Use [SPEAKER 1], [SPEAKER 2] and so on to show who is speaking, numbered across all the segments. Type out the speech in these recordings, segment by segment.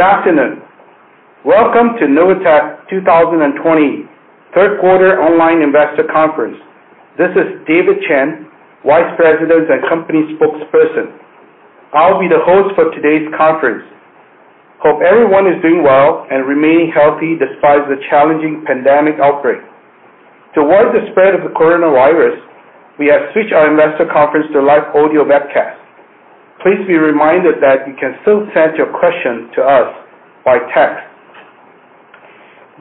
[SPEAKER 1] Good afternoon. Welcome to Novatek 2020 Third Quarter Online Investor Conference. This is David Chen, Vice President and Company Spokesperson. I'll be the host for today's conference. Hope everyone is doing well and remaining healthy despite the challenging pandemic outbreak. To avoid the spread of the coronavirus, we have switched our investor conference to live audio webcast. Please be reminded that you can still send your questions to us by text.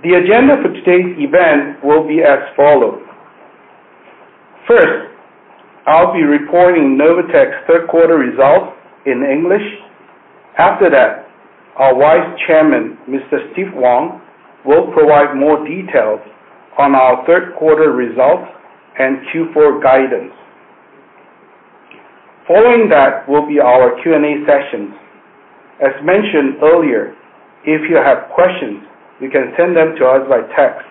[SPEAKER 1] The agenda for today's event will be as follows. First, I'll be reporting Novatek's Third Quarter results in English. After that, our Vice Chairman, Mr. Steve Wong, will provide more details on our Third Quarter results and Q4 guidance. Following that will be our Q&A sessions. As mentioned earlier, if you have questions, you can send them to us by text.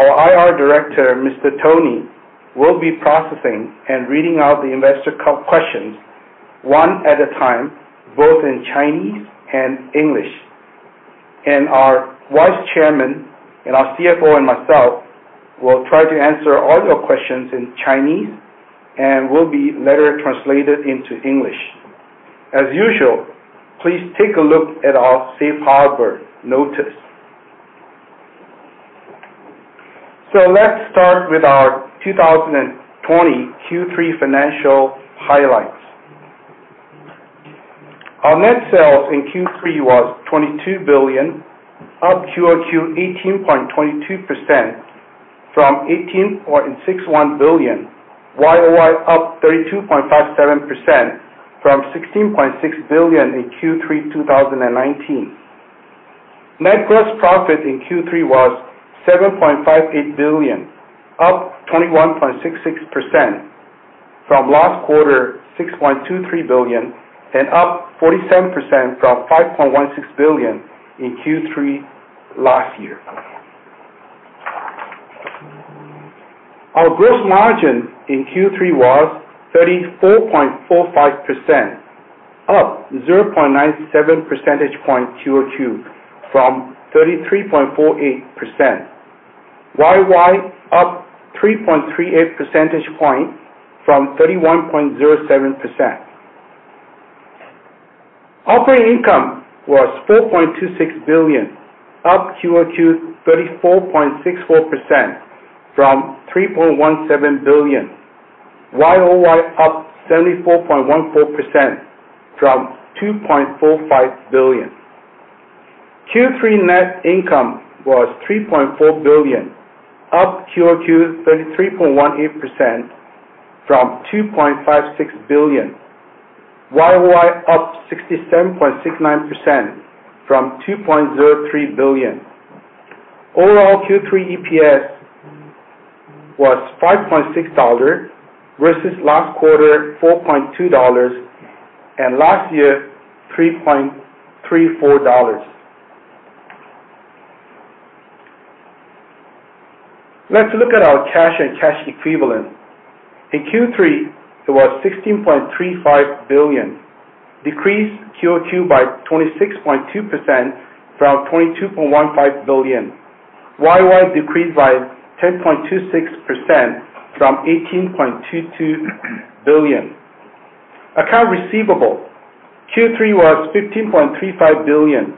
[SPEAKER 1] Our IR Director, Mr. Tony, will be processing and reading out the investor questions one at a time, both in Chinese and English. Our Vice Chairman, our CFO, and myself will try to answer all your questions in Chinese and will be later translated into English. As usual, please take a look at our safe harbor notice. Let's start with our 2020 Q3 financial highlights. Our net sales in Q3 was $22 billion, up quarter-over-quarter 18.22% from $18.61 billion, year-over-year up 32.57% from $16.6 billion in Q3 2019. Net gross profit in Q3 was $7.58 billion, up 21.66% from last quarter $6.23 billion and up 47% from $5.16 billion in Q3 last year. Our gross margin in Q3 was 34.45%, up 0.97 percentage points quarter-over-quarter from 33.48%, year-over-year up 3.38 percentage points from 31.07%. Operating income was $4.26 billion, up quarter-over-quarter 34.64% from $3.17 billion, year-over-year up 74.14% from $2.45 billion. Q3 net income was $3.4 billion, up quarter-over-quarter 33.18% from $2.56 billion, year-over-year up 67.69% from $2.03 billion. Overall Q3 EPS was $5.6 versus last quarter $4.2 and last year $3.34. Let's look at our cash and cash equivalent. In Q3, it was $16.35 billion, decreased quarter-over-quarter by 26.2% from $22.15 billion, year-over-year decreased by 10.26% from $18.22 billion. Account receivable Q3 was $15.35 billion,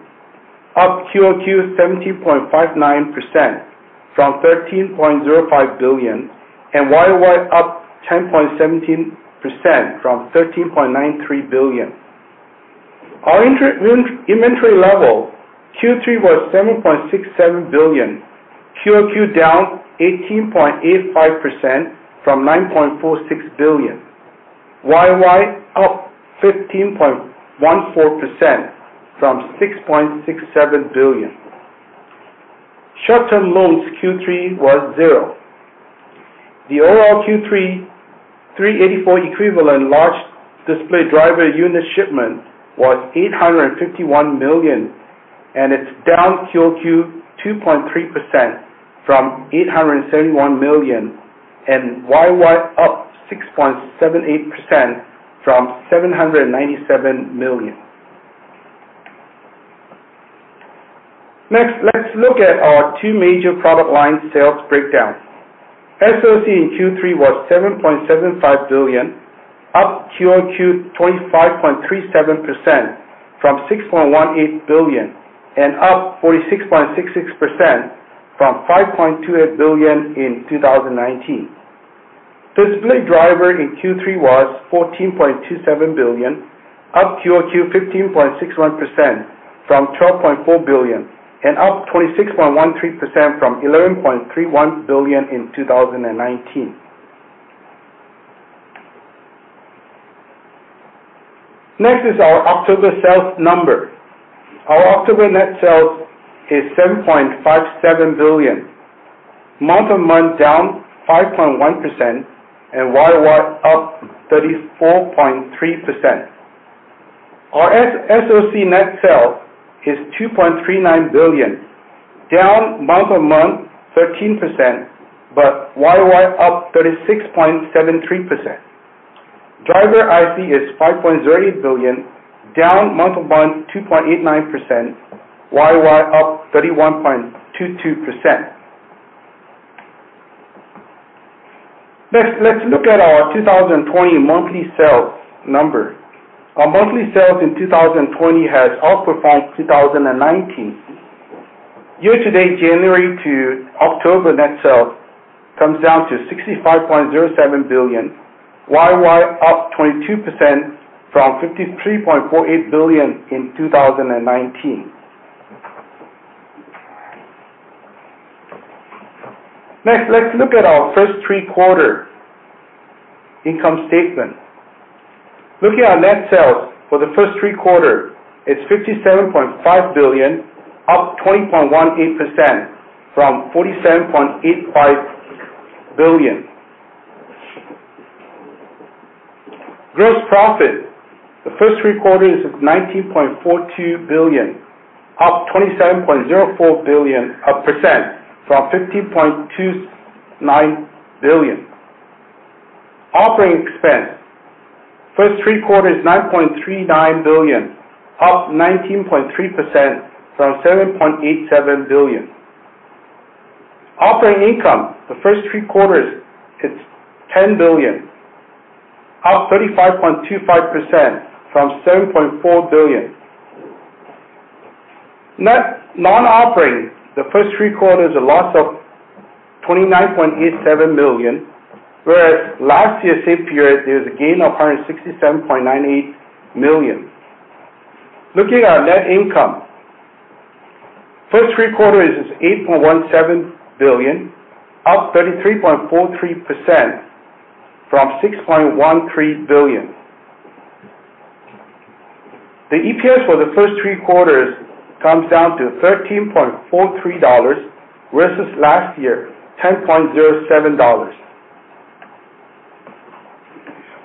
[SPEAKER 1] up quarter-over-quarter 17.59% from $13.05 billion and year-over-year up 10.17% from $13.93 billion. Our inventory level Q3 was $7.67 billion, quarter-over-quarter down 18.85% from $9.46 billion, year-over-year up 15.14% from $6.67 billion. Short-term loans Q3 was zero. The overall Q3 $384 equivalent large display driver unit shipment was 851 million and it's down quarter-over-quarter 2.3% from 871 million and year-over-year up 6.78% from 797 million. Next, let's look at our two major product line sales breakdown. SOC in Q3 was $7.75 billion, up quarter-over-quarter 25.37% from $6.18 billion and up 46.66% from $5.28 billion in 2019. Display driver in Q3 was $14.27 billion, up quarter-over-quarter 15.61% from $12.4 billion and up 26.13% from $11.31 billion in 2019. Next is our October sales number. Our October net sales is $7.57 billion, month-on-month down 5.1% and year-over-year up 34.3%. Our SOC net sales is $2.39 billion, down month-on-month 13% but year-over-year up 36.73%. Driver IC is $5.38 billion, down month-on-month 2.89%, year-over-year up 31.22%. Next, let's look at our 2020 monthly sales number. Our monthly sales in 2020 has outperformed 2019. Year-to-date January to October net sales comes down to $65.07 billion, year-over-year up 22% from $53.48 billion in 2019. Next, let's look at our first three-quarter income statement. Looking at net sales for the first three quarter, it's $57.5 billion, up 20.18% from $47.85 billion. Gross profit, the first three quarter is $19.42 billion, up 27.04% from $15.29 billion. Operating expense, first three quarter is $9.39 billion, up 19.3% from $7.87 billion. Operating income, the first three quarter is $10 billion, up 35.25% from $7.4 billion. Non-operating, the first three quarter is a loss of $29.87 million, whereas last year same period there was a gain of $167.98 million. Looking at net income, first three quarter is $8.17 billion, up 33.43% from $6.13 billion. The EPS for the first three quarters comes down to $13.43 versus last year $10.07.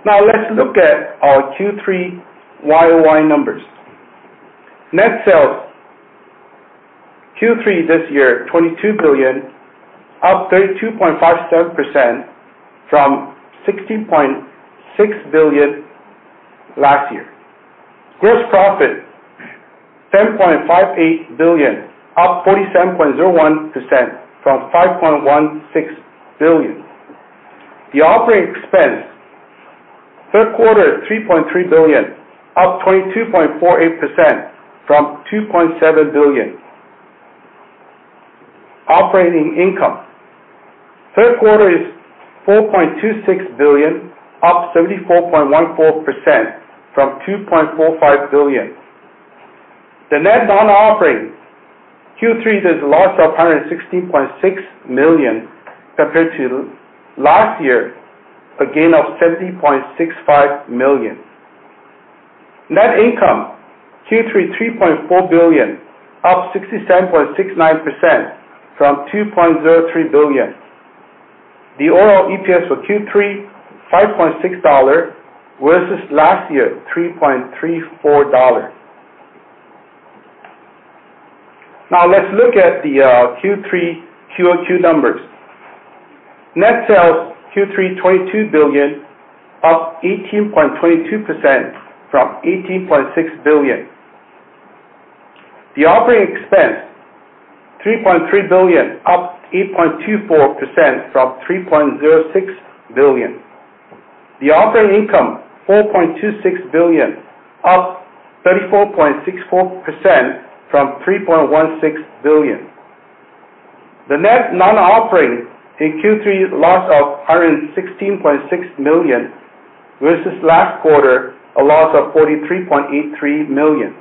[SPEAKER 1] Now let's look at our Q3 year-over-year numbers. Net sales Q3 this year $22 billion, up 32.57% from $16.6 billion last year. Gross profit $7.58 billion, up 47.01% from $5.16 billion. The operating expense third quarter is $3.3 billion, up 22.48% from $2.7 billion. Operating income third quarter is $4.26 billion, up 74.14% from $2.45 billion. The net non-operating Q3 there's a loss of $116.6 million compared to last year, a gain of $70.65 million. Net income Q3 $3.4 billion, up 67.69% from $2.03 billion. The overall EPS for Q3 $5.6 versus last year $3.34. Now let's look at the Q3 quarter-over-quarter numbers. Net sales Q3 $22 billion, up 18.22% from $18.6 billion. The operating expense $3.3 billion, up 8.24% from $3.06 billion. The operating income $4.26 billion, up 34.64% from $3.16 billion. The net non-operating in Q3 loss of $116.6 million versus last quarter, a loss of $43.83 million.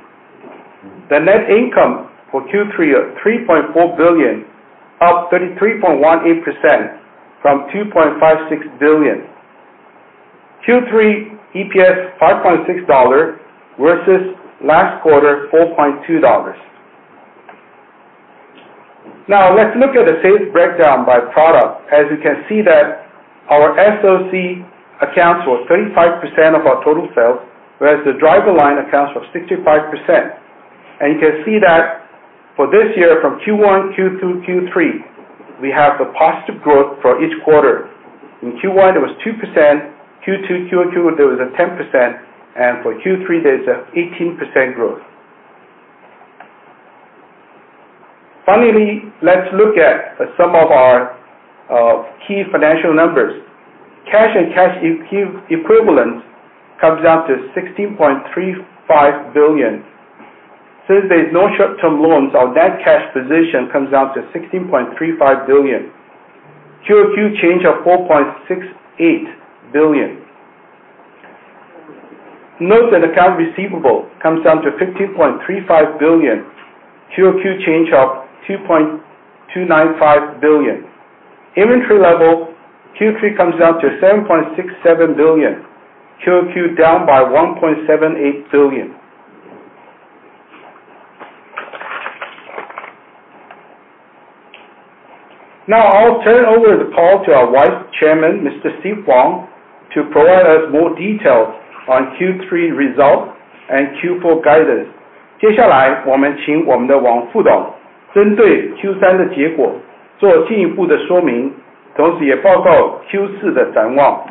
[SPEAKER 1] The net income for Q3 of $3.4 billion, up 33.18% from $2.56 billion. Q3 EPS $5.6 versus last quarter $4.2. Now let's look at the sales breakdown by product. As you can see that our SOC accounts for 35% of our total sales, whereas the driver line accounts for 65%. You can see that for this year from Q1, Q2, Q3, we have the positive growth for each quarter. In Q1 there was 2%, Q2 quarter-over-quarter there was a 10%, and for Q3 there's an 18% growth. Finally, let's look at some of our key financial numbers. Cash and cash equivalent comes down to $16.35 billion. Since there's no short-term loans, our net cash position comes down to $16.35 billion, quarter-over-quarter change of $4.68 billion. Note that account receivable comes down to $15.35 billion, quarter-over-quarter change of $2.295 billion. Inventory level Q3 comes down to $7.67 billion, quarter-over-quarter down by $1.78 billion. Now I'll turn over the call to our Vice Chairman, Mr. Steve Wong, to provide us more details on Q3 results and Q4 guidance. 接下来我们请我们的王副董针对Q3的结果做进一步的说明，同时也报告Q4的展望。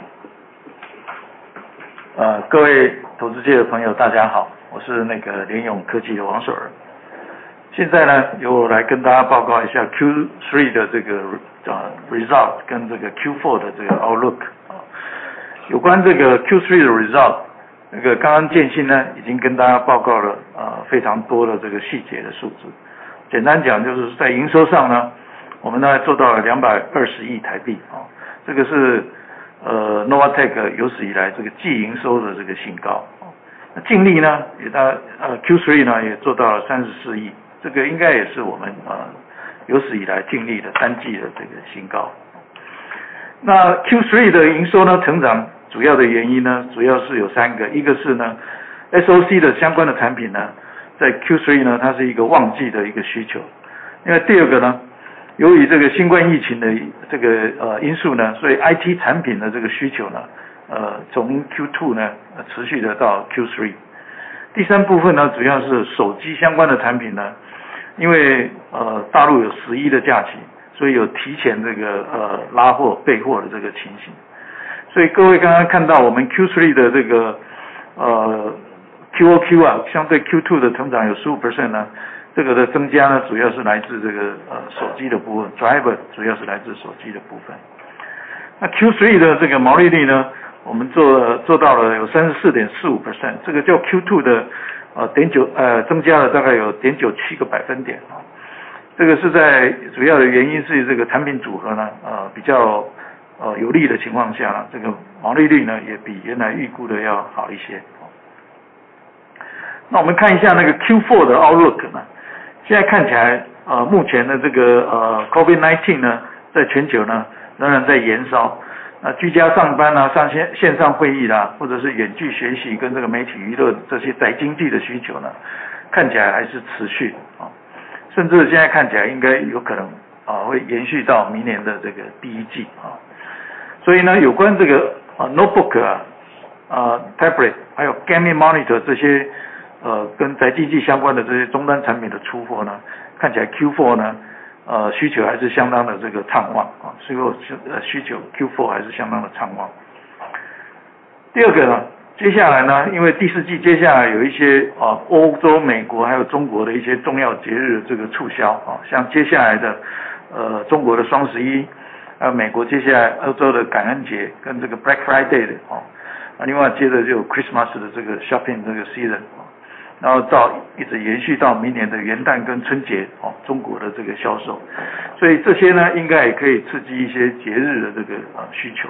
[SPEAKER 1] Friday，另外接着就Christmas的shopping season，然后一直延续到明年的元旦跟春节，中国的销售。所以这些应该也可以刺激一些节日的需求。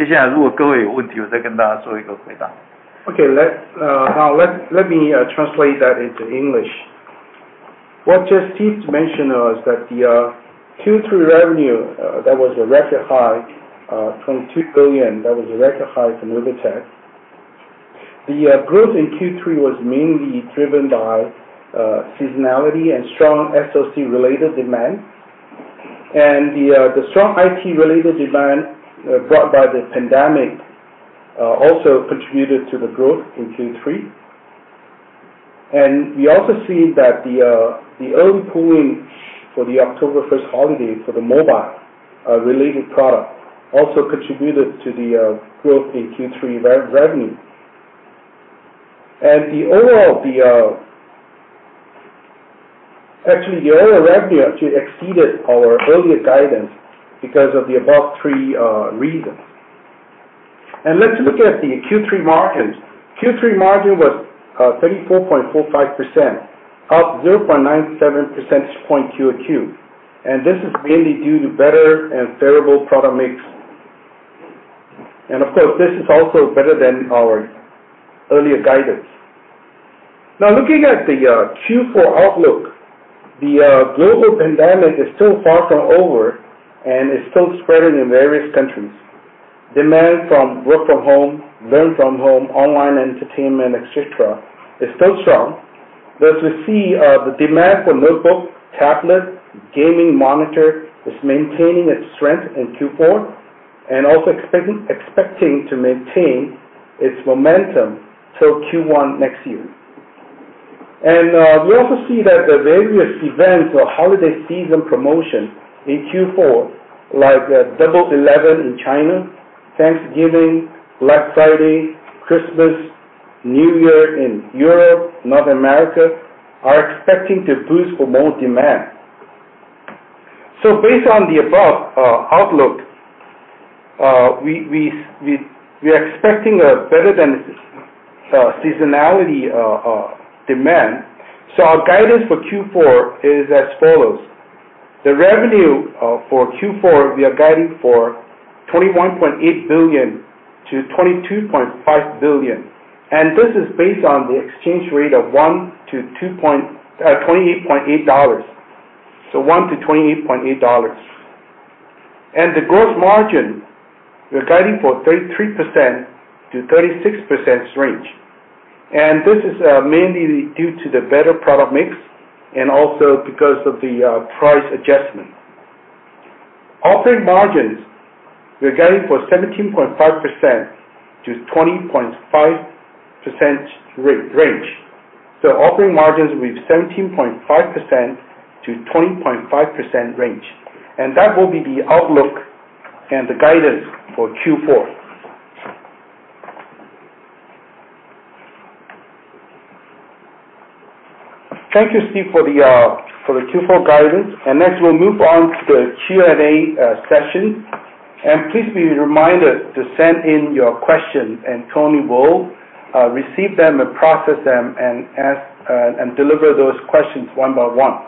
[SPEAKER 1] Okay, let me translate that into English. What Steve just mentioned to us is that the Q3 revenue was a record high, $22 billion, that was a record high for Novatek. The growth in Q3 was mainly driven by seasonality and strong SOC related demand, and the strong IT related demand brought by the pandemic also contributed to the growth in Q3. We also see that the early pooling for the October 1st holiday for the mobile related product also contributed to the growth in Q3 revenue. Overall, the overall revenue actually exceeded our earlier guidance because of the above three reasons. Let's look at the Q3 margin. Q3 margin was 34.45%, up 0.97 percentage point QOQ, and this is mainly due to better and favorable product mix. Of course, this is also better than our earlier guidance. Now looking at the Q4 outlook, the global pandemic is still far from over and is still spreading in various countries. Demand from work from home, learn from home, online entertainment, etc. is still strong. As we see, the demand for notebook, tablet, gaming monitor is maintaining its strength in Q4 and also expecting to maintain its momentum till Q1 next year. We also see that the various events or holiday season promotions in Q4, like Double Eleven in China, Thanksgiving, Black Friday, Christmas, New Year in Europe, North America, are expecting to boost for more demand. Based on the above outlook, we are expecting a better than seasonality demand. Our guidance for Q4 is as follows. The revenue for Q4 we are guiding for $21.8 billion to $22.5 billion, and this is based on the exchange rate of $1 to $28.8. The gross margin we're guiding for 33% to 36% range, and this is mainly due to the better product mix and also because of the price adjustment. Operating margins we're guiding for 17.5% to 20.5% range. Operating margins will be 17.5% to 20.5% range, and that will be the outlook and the guidance for Q4. Thank you, Steve, for the Q4 guidance, and next we'll move on to the Q&A session. Please be reminded to send in your questions, and Tony will receive them and process them and deliver those questions one by one.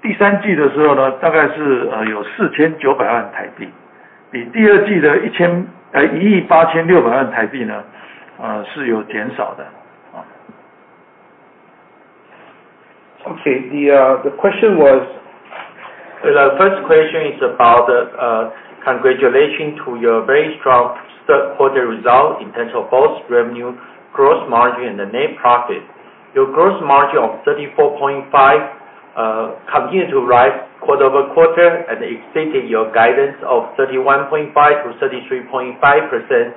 [SPEAKER 1] adjustment呢，所以导致上来的。那NRE的部分呢，第三季的时候呢，大概是有NT$49百万，比第二季的NT$186百万呢是有减少的。Okay, the question was, first question is about the congratulation to your very strong third quarter result in terms of both revenue, gross margin, and the net profit. Your gross margin of 34.5% continued to rise quarter over quarter and exceeded your guidance of 31.5% to 33.5%.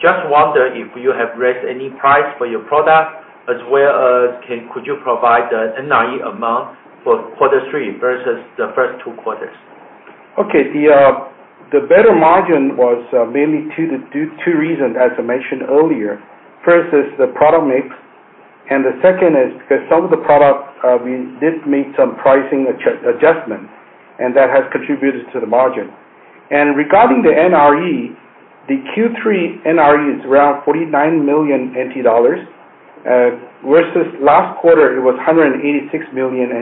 [SPEAKER 1] Just wonder if you have raised any price for your product, as well as could you provide the NRE amount for quarter three versus the first two quarters? Okay, the better margin was mainly two reasons, as I mentioned earlier. First is the product mix, and the second is because some of the product we did make some pricing adjustments, and that has contributed to the margin. Regarding the NRE, the Q3 NRE is around NT$49 million, versus last quarter it was NT$186 million.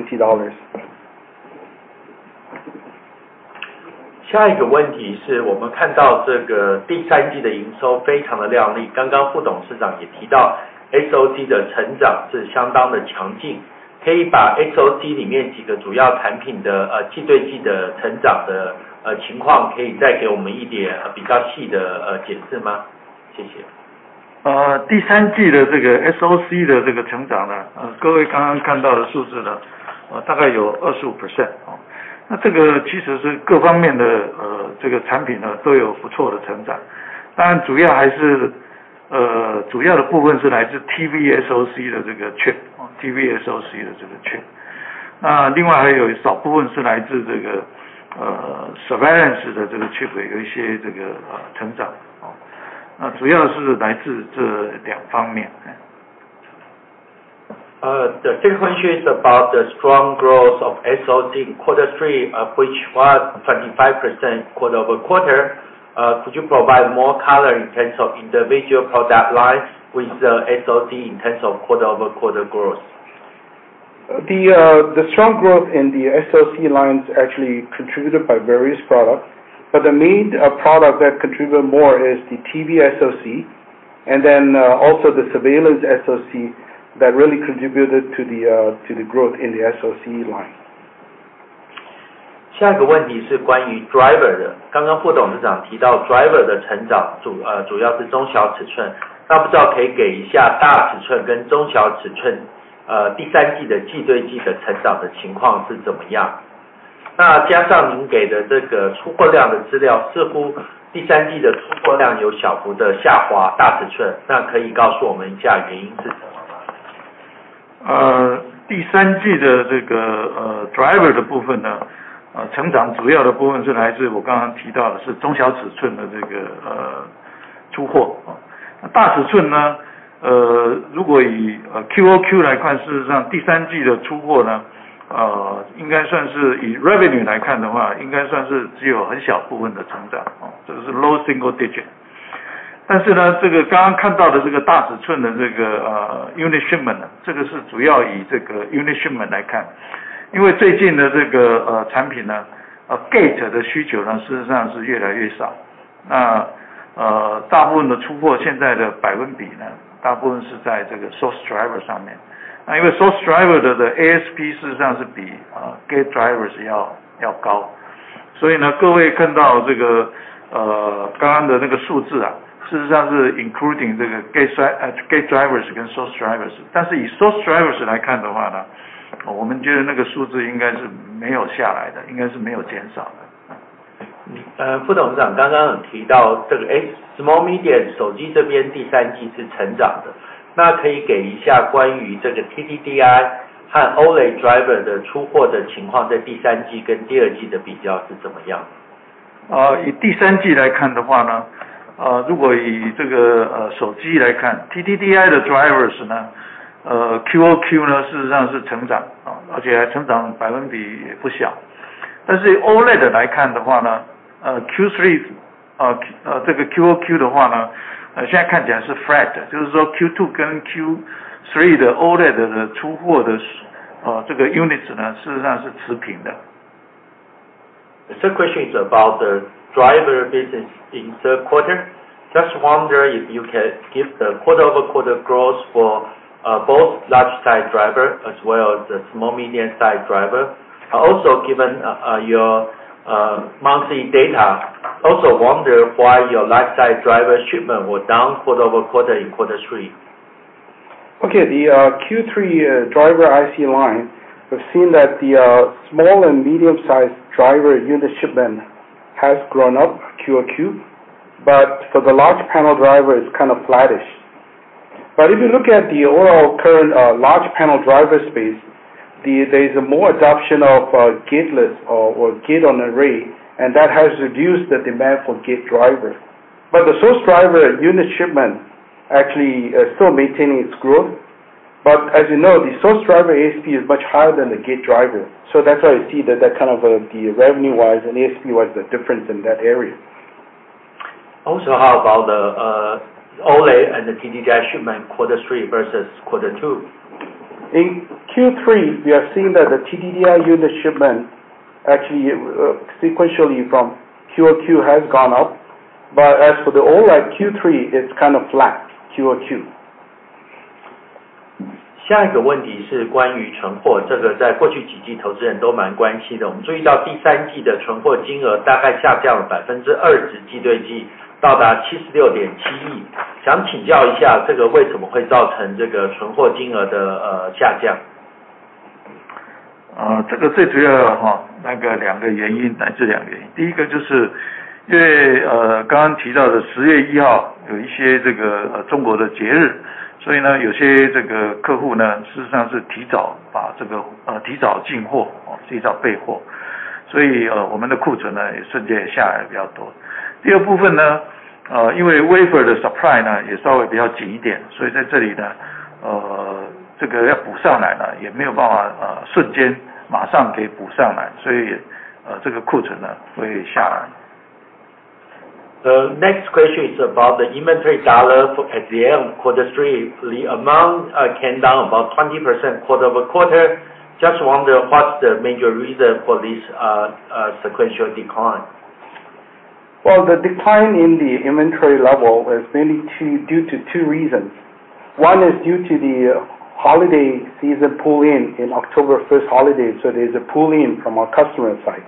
[SPEAKER 1] SOC的这个chip，TV SOC的这个chip。那另外还有少部分是来自这个Surveillance的这个chip，有一些这个成长。那主要是来自这两方面。The second question is about the strong growth of SOC in quarter three, which was 25% quarter over quarter. Could you provide more color in terms of individual product lines with the SOC in terms of quarter over quarter growth? The strong growth in the SOC lines actually contributed by various products, but the main product that contributed more is the TVSOC, and then also the Surveillance SOC that really contributed to the growth in the SOC line. 下一个问题是关于driver的，刚刚副董事长提到driver的成长主要是中小尺寸，那不知道可以给一下大尺寸跟中小尺寸第三季的季对季的成长的情况是怎么样？那加上您给的这个出货量的资料，似乎第三季的出货量有小幅的下滑，大尺寸，那可以告诉我们一下原因是什么吗？ 第三季的这个driver的部分呢，成长主要的部分是来自我刚刚提到的是中小尺寸的这个出货。那大尺寸呢，如果以QOQ来看，事实上第三季的出货呢，应该算是以revenue来看的话，应该算是只有很小部分的成长，这个是low single digit。但是呢，这个刚刚看到的这个大尺寸的这个unit shipment，这个是主要以这个unit shipment来看，因为最近的这个产品呢，gate的需求呢，事实上是越来越少。那大部分的出货现在的百分比呢，大部分是在这个source driver上面。那因为source driver的ASP事实上是比gate drivers要高，所以呢，各位看到这个刚刚的那个数字啊，事实上是including这个gate drivers跟source drivers，但是以source drivers来看的话呢，我们觉得那个数字应该是没有下来的，应该是没有减少的。副董事长刚刚有提到这个small media手机这边第三季是成长的，那可以给一下关于这个TTDI和OLED driver的出货的情况在第三季跟第二季的比较是怎么样？ 以第三季来看的话呢，如果以这个手机来看，TTDI的drivers呢，QOQ呢，事实上是成长，而且还成长百分比也不小。但是以OLED来看的话呢，Q3这个QOQ的话呢，现在看起来是flat，就是说Q2跟Q3的OLED的出货的这个units呢，事实上是持平的。The third question is about the driver business in third quarter. Just wonder if you can give the quarter over quarter growth for both large-size driver as well as the small medium-sized driver. Also, given your monthly data, also wonder why your large-size driver shipment were down quarter over quarter in quarter three. Okay, the Q3 driver IC line, we've seen that the small and medium-sized driver unit shipment has grown up QOQ, but for the large panel driver, it's kind of flattish. But if you look at the overall current large panel driver space, there is a more adoption of gate-less or gate-on-array, and that has reduced the demand for gate driver. But the source driver unit shipment actually is still maintaining its growth, but as you know, the source driver ASP is much higher than the gate driver, so that's why you see that kind of the revenue-wise and ASP-wise the difference in that area. Also, how about the OLED and the TTDI shipment quarter three versus quarter two? In Q3, we are seeing that the TTDI unit shipment actually sequentially from QOQ has gone up, but as for the OLED, Q3 it's kind of flat QOQ. 下一個問題是關於存貨，這個在過去幾季投資人都蠻關心的。我們注意到第三季的存貨金額大概下降了20%，季對季到達76.7億。想請教一下，這個為什麼會造成這個存貨金額的下降？ The next question is about the inventory dollar for at the end of quarter three. The amount can down about 20% quarter over quarter. Just wonder what's the major reason for this sequential decline? Well, the decline in the inventory level is mainly due to two reasons. One is due to the holiday season pull-in in October first holiday, so there's a pull-in from our customer side.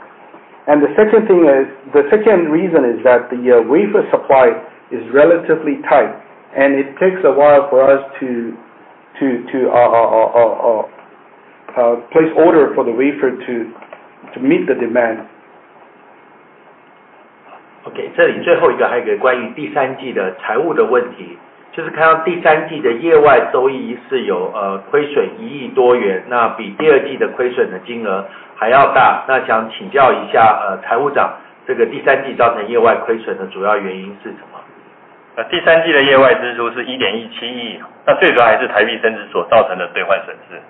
[SPEAKER 1] The second thing is, the second reason is that the wafer supply is relatively tight, and it takes a while for us to place order for the wafer to meet the demand. 这里最后一个还有一个关于第三季的财务的问题，就是看到第三季的业外收益是有亏损1亿多元，那比第二季的亏损的金额还要大。那想请教一下财务长，这个第三季造成业外亏损的主要原因是什么？第三季的业外支出是¥1.17亿，那最主要还是台币升值所造成的兑换损失。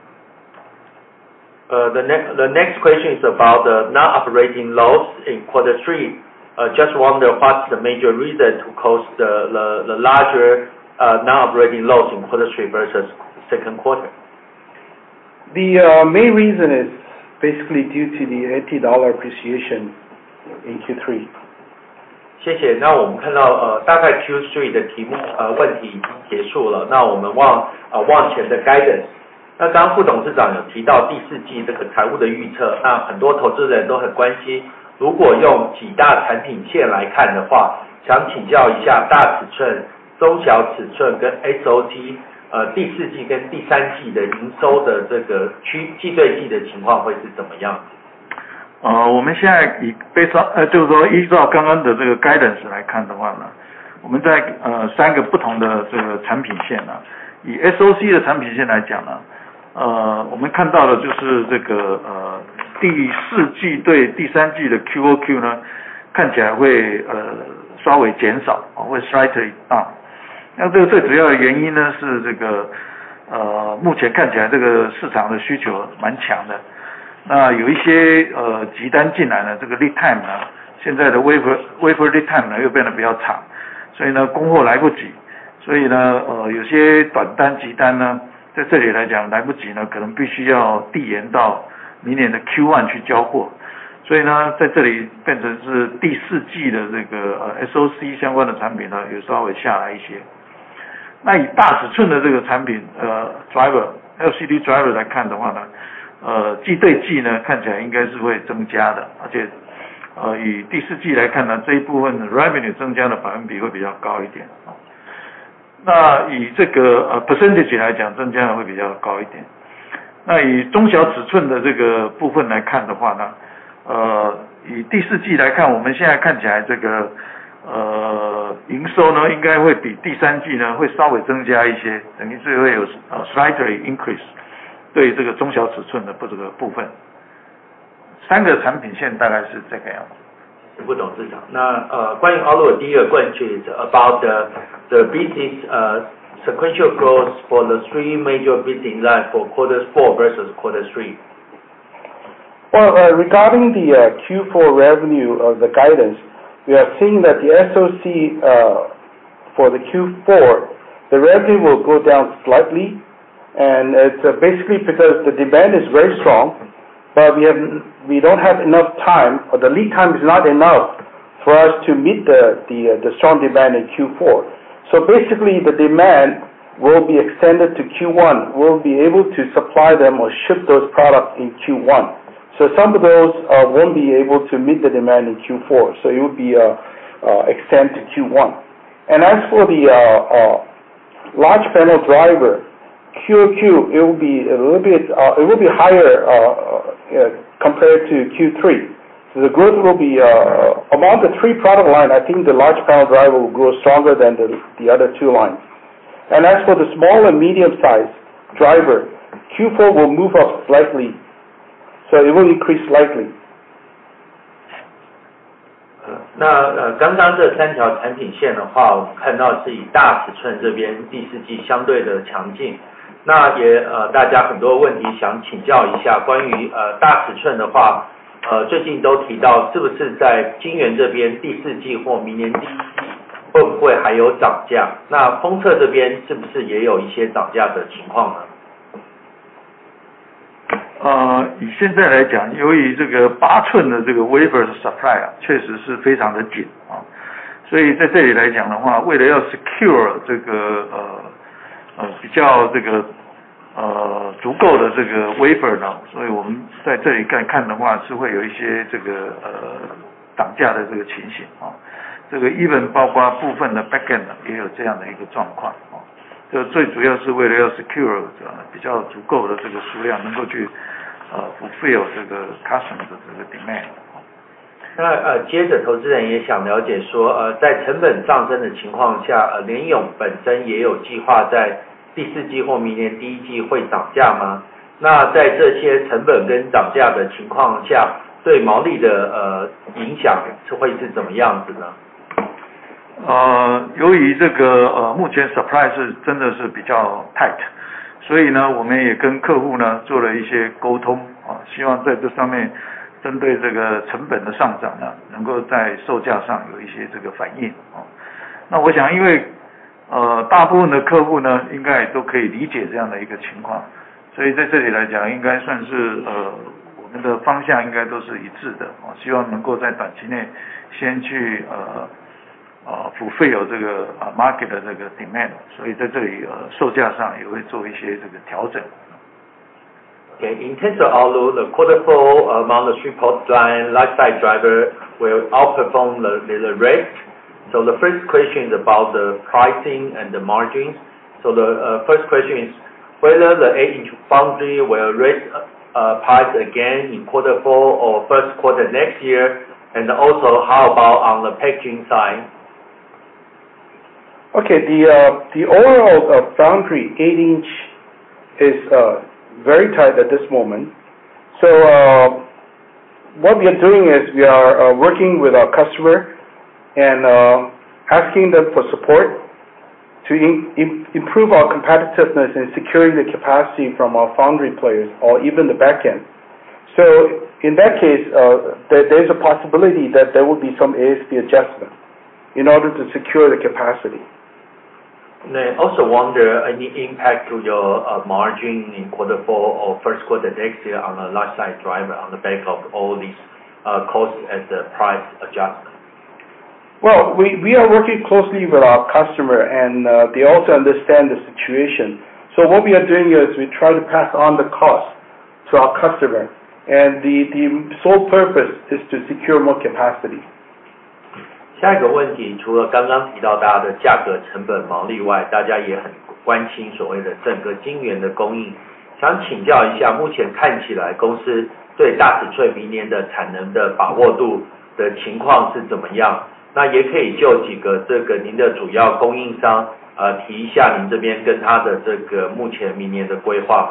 [SPEAKER 1] The next question is about the non-operating loss in quarter three. Just wonder what's the major reason to cause the larger non-operating loss in quarter three versus second quarter? The main reason is basically due to the NT dollar appreciation in Q3. 我们现在以背景上就是说依照刚刚的这个guidance来看的话，我们在三个不同的这个产品线，以SOC的产品线来讲，我们看到的就是这个第四季对第三季的QOQ，看起来会稍微减少，会slightly down。那这个最主要的原因，是这个目前看起来这个市场的需求蛮强的。那有一些急单进来，这个lead time，现在的wafer lead increase对于这个中小尺寸的这个部分。三个产品线大概是这个样子。副董事长，那关于Auler第二个问题是about the business sequential growth for the three major business lines for quarter four versus quarter three? Well, regarding the Q4 revenue of the guidance, we are seeing that the SOC for the Q4, the revenue will go down slightly, and it's basically because the demand is very strong, but we don't have enough time or the lead time is not enough for us to meet the strong demand in Q4. So basically the demand will be extended to Q1, we'll be able to supply them or ship those products in Q1. So some of those won't be able to meet the demand in Q4, so it will be extended to Q1. And as for the large panel driver QOQ, it will be a little bit higher compared to Q3. The growth will be among the three product lines, I think the large panel driver will grow stronger than the other two lines. And as for the small and medium-sized driver, Q4 will move up slightly, so it will increase slightly. 那刚刚这三条产品线的话，我们看到是以大尺寸这边第四季相对的强劲。那也大家很多问题想请教一下关于大尺寸的话，最近都提到是不是在晶圆这边第四季或明年第一季会不会还有涨价？那封测这边是不是也有一些涨价的情况呢？ 由于这个目前supply是真的是比较tight，所以我们也跟客户做了一些沟通，希望在这上面针对这个成本的上涨能够在售价上有一些反应。那我想因为大部分的客户应该也都可以理解这样的一个情况，所以在这里来讲应该算是我们的方向应该都是一致的，希望能够在短期内先去fulfill这个market的demand，所以在这里售价上也会做一些调整。In terms of Auler, the quarter four amount of shipment line, large-sized driver will outperform the rate. The first question is about the pricing and the margins. The first question is whether the 8-inch foundry will raise price again in quarter four or first quarter next year, and also how about on the packaging side? The overall foundry 8-inch is very tight at this moment. What we are doing is we are working with our customer and asking them for support to improve our competitiveness in securing the capacity from our foundry players or even the back end. In that case, there's a possibility that there will be some ASP adjustment in order to secure the capacity. I also wonder any impact to your margin in quarter four or first quarter next year on a large-sized driver on the back of all these costs at the price adjustment? We are working closely with our customer, and they also understand the situation. What we are doing is we try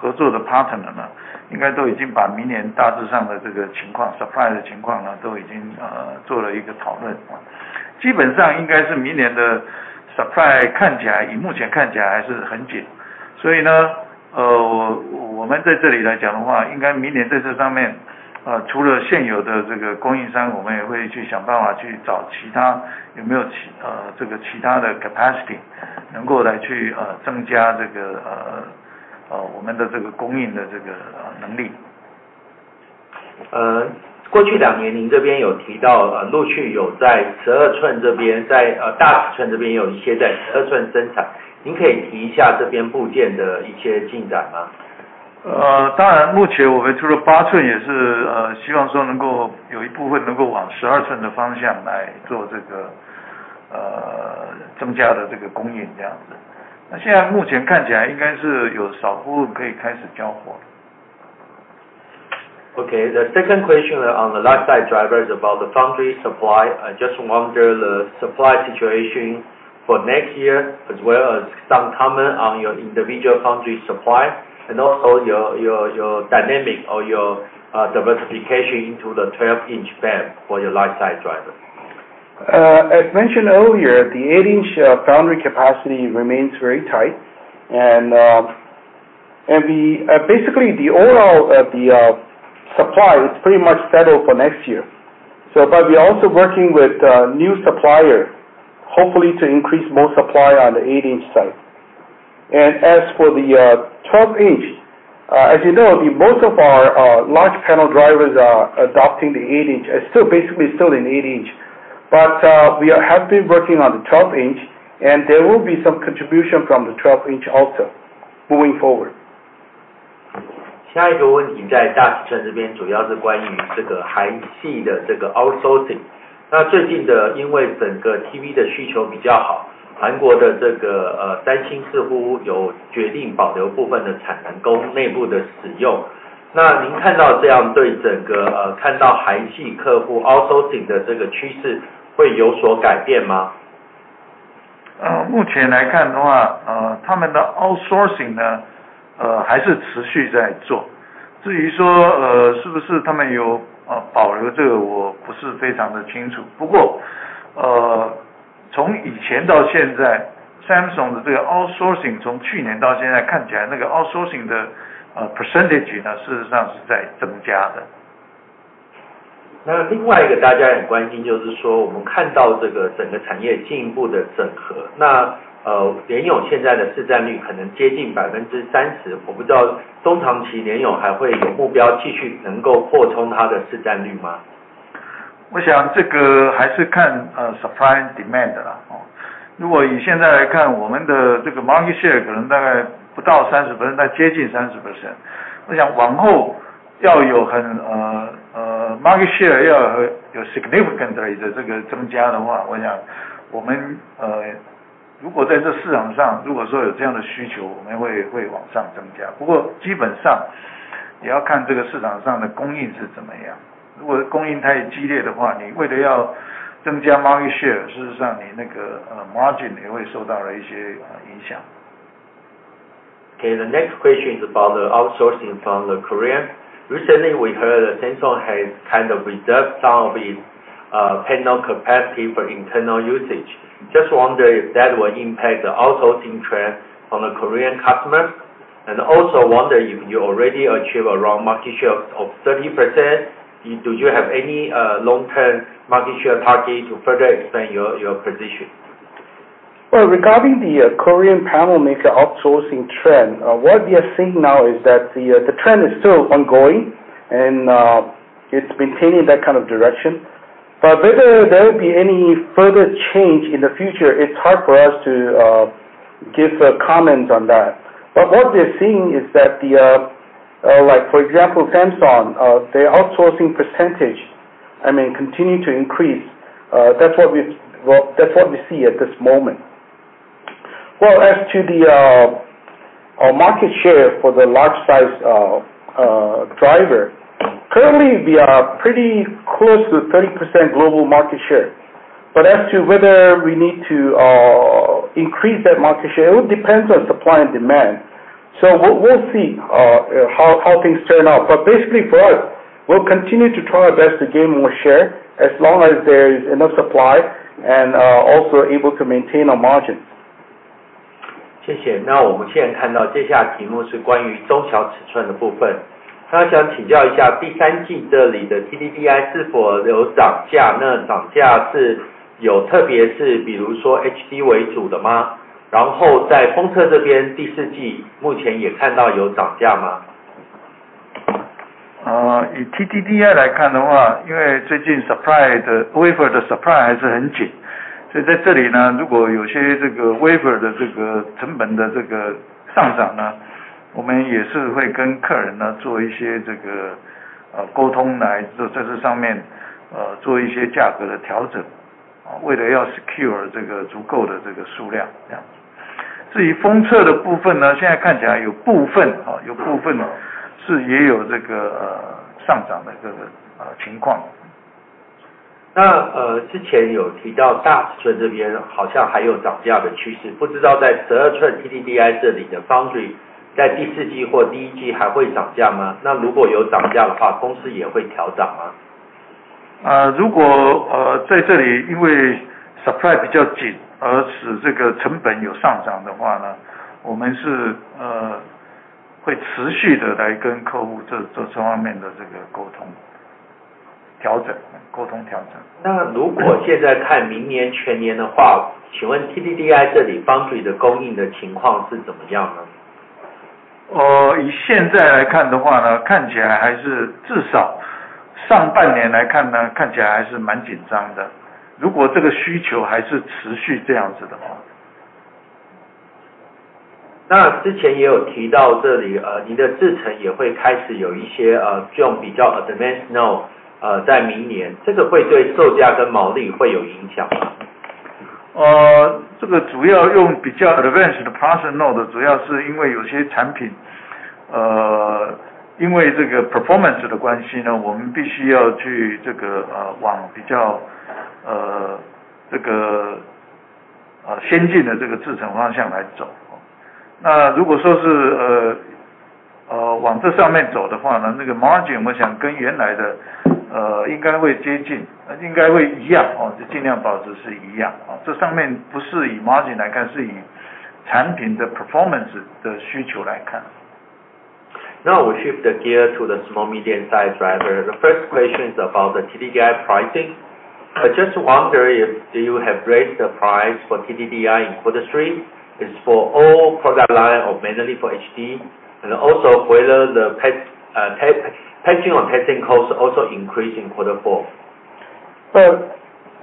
[SPEAKER 1] to pass on the cost to our customer, and the sole purpose is to secure more capacity. 下一个问题除了刚刚提到大家的价格成本毛利外，大家也很关心所谓的整个晶圆的供应。想请教一下目前看起来公司对大尺寸明年的产能的把握度的情况是怎么样？那也可以就几个这个您的主要供应商提一下您这边跟他的这个目前明年的规划吗？ 就是刚刚提到的目前的这个8-inch，尤其大尺寸的这个使用的这个8-inch的这个wafer呢，事实上supply是very tight。那大概我们现在跟所有的vendor呢，主要的这个合作的partner呢，应该都已经把明年大致上的这个情况supply的情况呢都已经做了一个讨论。基本上应该是明年的supply看起来以目前看起来还是很紧，所以呢，我们在这里来讲的话应该明年在这上面除了现有的这个供应商，我们也会去想办法去找其他有没有这个其他的capacity能够来去增加这个我们的这个供应的这个能力。过去两年您这边有提到陆续有在12寸这边，在大尺寸这边有一些在12寸生产，您可以提一下这边部件的一些进展吗？ 当然目前我们除了8寸也是希望说能够有一部分能够往12寸的方向来做这个增加的这个供应这样子。那现在目前看起来应该是有少部分可以开始交货了。Okay, the second question on the large-sized driver is about the foundry supply. I just wonder the supply situation for next year as well as some comment on your individual foundry supply and also your dynamic or your diversification into the 12-inch band for your large-sized driver. As mentioned earlier, the 8-inch foundry capacity remains very tight, and basically the overall supply is pretty much settled for next year. But we are also working with new suppliers hopefully to increase more supply on the 8-inch side. As for the 12-inch, as you know, most of our large panel drivers are adopting the 8-inch; it's still basically still in 8-inch, but we have been working on the 12-inch, and there will be some contribution from the 12-inch also moving forward. 下一个问题在大尺寸这边主要是关于这个韩系的这个outsourcing。那最近的因为整个TV的需求比较好，韩国的这个三星似乎有决定保留部分的产能供内部的使用。那您看到这样对整个看到韩系客户outsourcing的这个趋势会有所改变吗？ 那另外一个大家很关心就是说我们看到这个整个产业进一步的整合，那联咏现在的市占率可能接近30%。我不知道中长期联咏还会有目标继续能够扩充他的市占率吗？ 我想这个还是看supply and demand啦。如果以现在来看，我们的这个market share可能大概不到30%，大概接近30%。我想往后要有很market share要有significantly的这个增加的话，我想我们如果在这市场上如果说有这样的需求，我们会往上增加。不过基本上也要看这个市场上的供应是怎么样。如果供应太激烈的话，你为了要增加market share，事实上你那个margin也会受到了一些影响。Okay, the next question is about the outsourcing from the Korean. Recently we heard that Samsung has kind of reserved some of its panel capacity for internal usage. Just wonder if that will impact the outsourcing trend from the Korean customers. And also wonder if you already achieve a round market share of 30%. Do you have any long-term market share target to further expand your position? Regarding the Korean panel maker outsourcing trend, what we are seeing now is that the trend is still ongoing and it's maintaining that kind of direction. But whether there will be any further change in the future, it's hard for us to give comments on that. But what we are seeing is that, like for example, Samsung, their outsourcing percentage, I mean, continue to increase. That's what we see at this moment. As to the market share for the large-sized driver, currently we are pretty close to 30% global market share. But as to whether we need to increase that market share, it will depend on supply and demand. So we'll see how things turn out. But basically for us, we'll continue to try our best to gain more share as long as there is enough supply and also able to maintain our margins. 谢谢。那我们现在看到接下来题目是关于中小尺寸的部分。那想请教一下第三季这里的TDDI是否有涨价？那涨价是有特别是比如说HD为主的吗？然后在封测这边第四季目前也看到有涨价吗？ 那如果现在看明年全年的话，请问TDDI这里foundry的供应的情况是怎么样呢？ 以现在来看的话呢，看起来还是至少上半年来看呢，看起来还是蛮紧张的，如果这个需求还是持续这样子的话。那之前也有提到这里，您的制程也会开始有一些用比较advanced Now we shift the gear to the small medium-sized driver. The first question is about the TDDI pricing. I just wonder if you have raised the price for TDDI in Q3? Is it for all product lines or mainly for HD? And also whether the packaging or testing costs also increase in Q4? Well,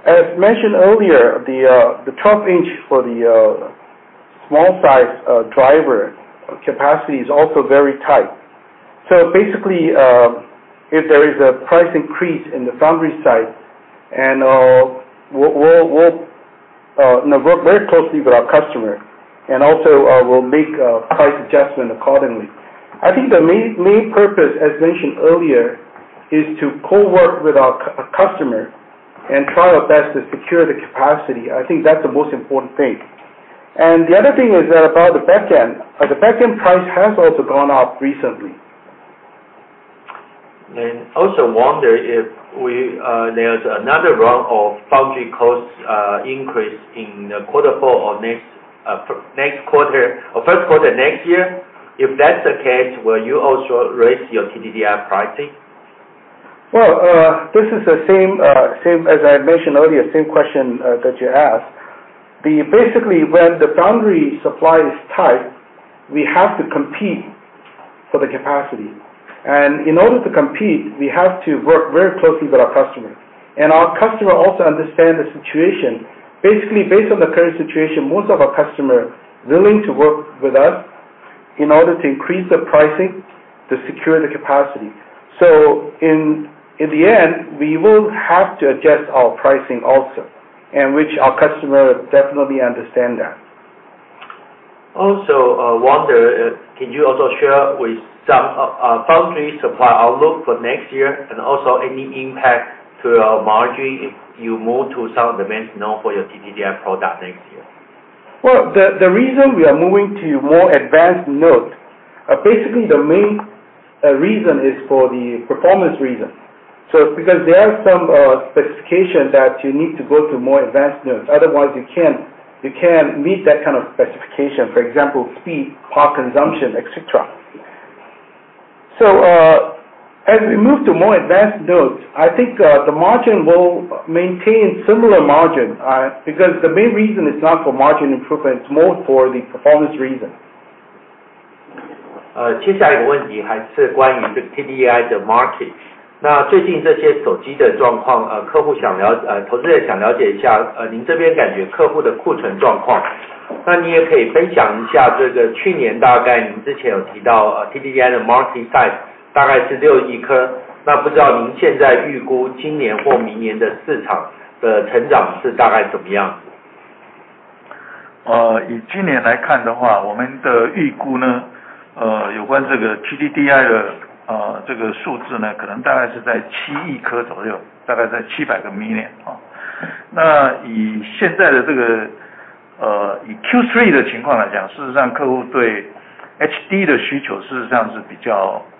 [SPEAKER 1] as mentioned earlier, the 12-inch for the small-sized driver capacity is also very tight. So basically if there is a price increase in the foundry side, we'll work very closely with our customer, and also we'll make a price adjustment accordingly. I think the main purpose, as mentioned earlier, is to co-work with our customer and try our best to secure the capacity. I think that's the most important thing. And the other thing is about the back end, the back end price has also gone up recently. And also wonder if there's another round of foundry costs increase in Q4 or next quarter or Q1 next year. If that's the case, will you also raise your TDDI pricing? Well, this is the same as I mentioned earlier, same question that you asked. Basically when the foundry supply is tight, we have to compete for the capacity. And in order to compete, we have to work very closely with our customer. And our customer also understands the situation. Basically based on the current situation, most of our customers are willing to work with us in order to increase the pricing to secure the capacity. So in the end, we will have to adjust our pricing also, which our customers definitely understand. Also wonder, can you also share some foundry supply outlook for next year and also any impact to margin if you move to some advanced node for your TDDI product next year? Well, the reason we are moving to more advanced nodes, basically the main reason is for the performance reason. So because there are some specifications that you need to go to more advanced nodes, otherwise you can't meet that kind of specification, for example, speed, power consumption, etc. So as we move to more advanced nodes, I think the margin will maintain similar margin because the main reason is not for margin improvement, it's more for the performance reason. 接下来一个问题还是关于这个TDDI的margin。那最近这些手机的状况，客户想了解，投资人想了解一下您这边感觉客户的库存状况。那您也可以分享一下这个去年大概您之前有提到TDDI的margin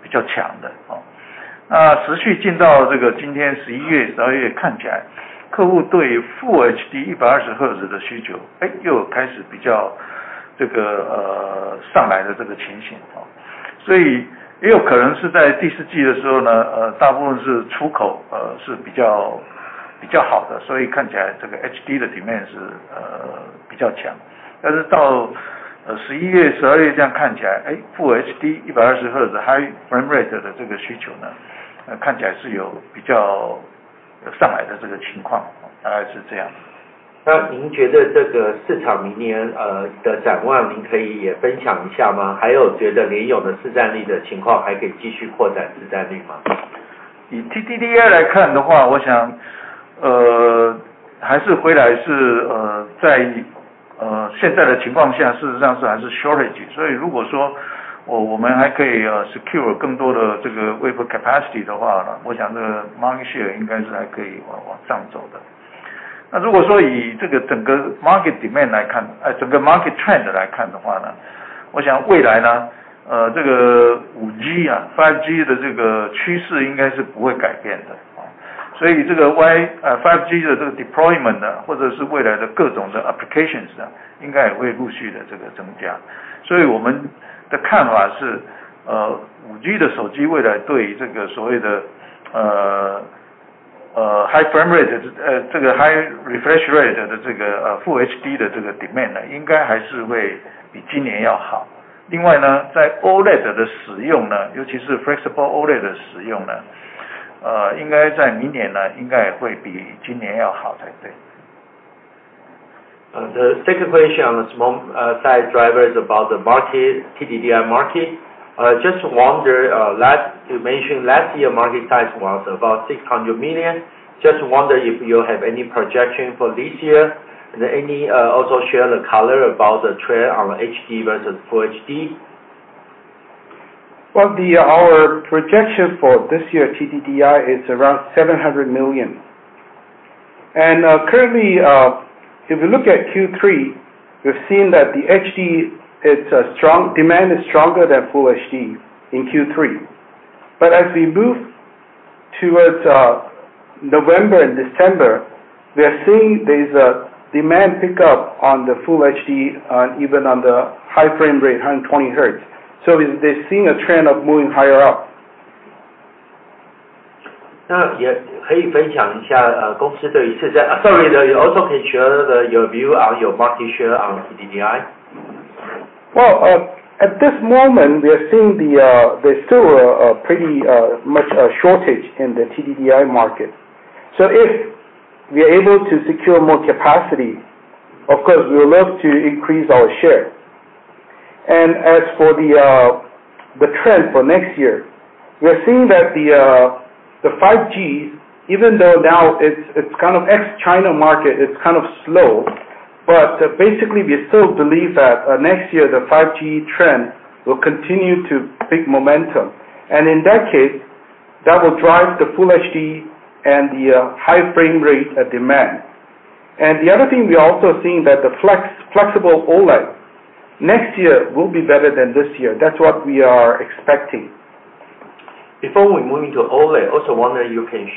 [SPEAKER 1] 120Hz的需求又有开始比较上来的这个情形。所以也有可能是在第四季的时候呢，大部分是出货是比较好的，所以看起来这个HD的demand是比较强。但是到11月12月这样看起来，Full HD 120Hz high frame rate的这个需求呢，看起来是有比较有上来的这个情况，大概是这样子。那您觉得这个市场明年的展望您可以也分享一下吗？还有觉得联咏的市占率的情况还可以继续扩展市占率吗？ 以TDDI来看的话，我想还是回来是在现在的情况下事实上是还是shortage。所以如果说我们还可以secure更多的这个wafer capacity的话，我想这个market share应该是还可以往上走的。那如果说以这个整个market demand来看，整个market trend来看的话呢，我想未来呢，这个5G的这个趋势应该是不会改变的。所以这个5G的这个deployment或者是未来的各种的applications应该也会陆续的增加。所以我们的看法是5G的手机未来对于这个所谓的high frame rate，这个high refresh rate的这个Full HD的这个demand应该还是会比今年要好。另外呢，在OLED的使用呢，尤其是flexible OLED的使用呢，应该在明年呢，应该也会比今年要好才对。The second question on the small-sized driver is about the market TDDI market. Just wonder, you mentioned last year market size was about $600 million. Just wonder if you have any projection for this year and any also share the color about the trend on HD versus Full HD? Well, our projection for this year TDDI is around $700 million. Currently, if you look at Q3, we've seen that the HD, its demand is stronger than Full HD in Q3. But as we move towards November and December, we are seeing there is a demand pickup on the Full HD and even on the high frame rate 120Hz. So they're seeing a trend of moving higher up. 那可以分享一下公司對於市占率的看法嗎？Well, at this moment we are seeing there's still a pretty much shortage in the TDDI market. So if we are able to secure more capacity, of course we would love to increase our share. As for the trend for next year, we are seeing that the 5G, even though now it's kind of ex-China market, it's kind of slow, but basically we still believe that next year the 5G trend will continue to pick momentum. In that case, that will drive the Full HD and the high frame rate demand. The other thing we are also seeing that the flexible OLED next year will be better than this year. That's what we are expecting. Before we move into OLED, also wonder if you can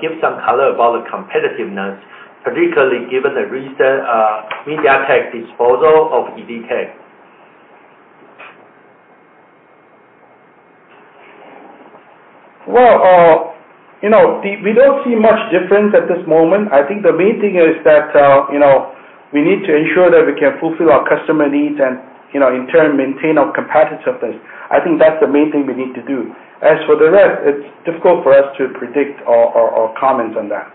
[SPEAKER 1] give some color about the competitiveness, particularly given the recent MediaTek disposal of EDTech. We don't see much difference at this moment. I think the main thing is that we need to ensure that we can fulfill our customer needs and in turn maintain our competitiveness. I think that's the main thing we need to do. As for the rest, it's difficult for us to predict or comment on that.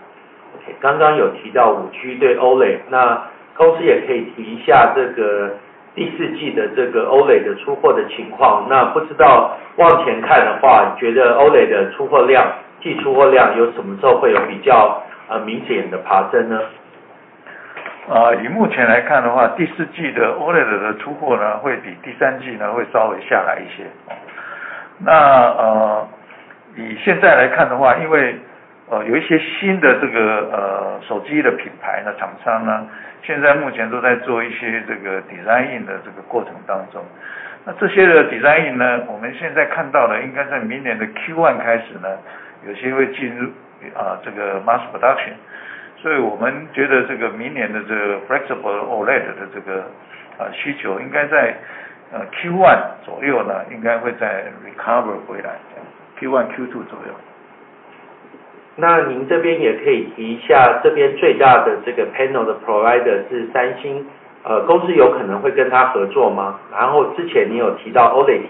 [SPEAKER 1] 剛剛有提到5G對OLED，那公司也可以提一下這個第四季的這個OLED的出貨的情況。那不知道往前看的話，覺得OLED的出貨量，季出貨量有什麼時候會有比較明顯的爬升呢？ production。所以我们觉得这个明年的这个flexible OLED的这个需求应该在Q1左右呢，应该会再recover回来，Q1 Q2左右。那您这边也可以提一下，这边最大的这个panel的provider是三星，公司有可能会跟他合作吗？然后之前您有提到OLED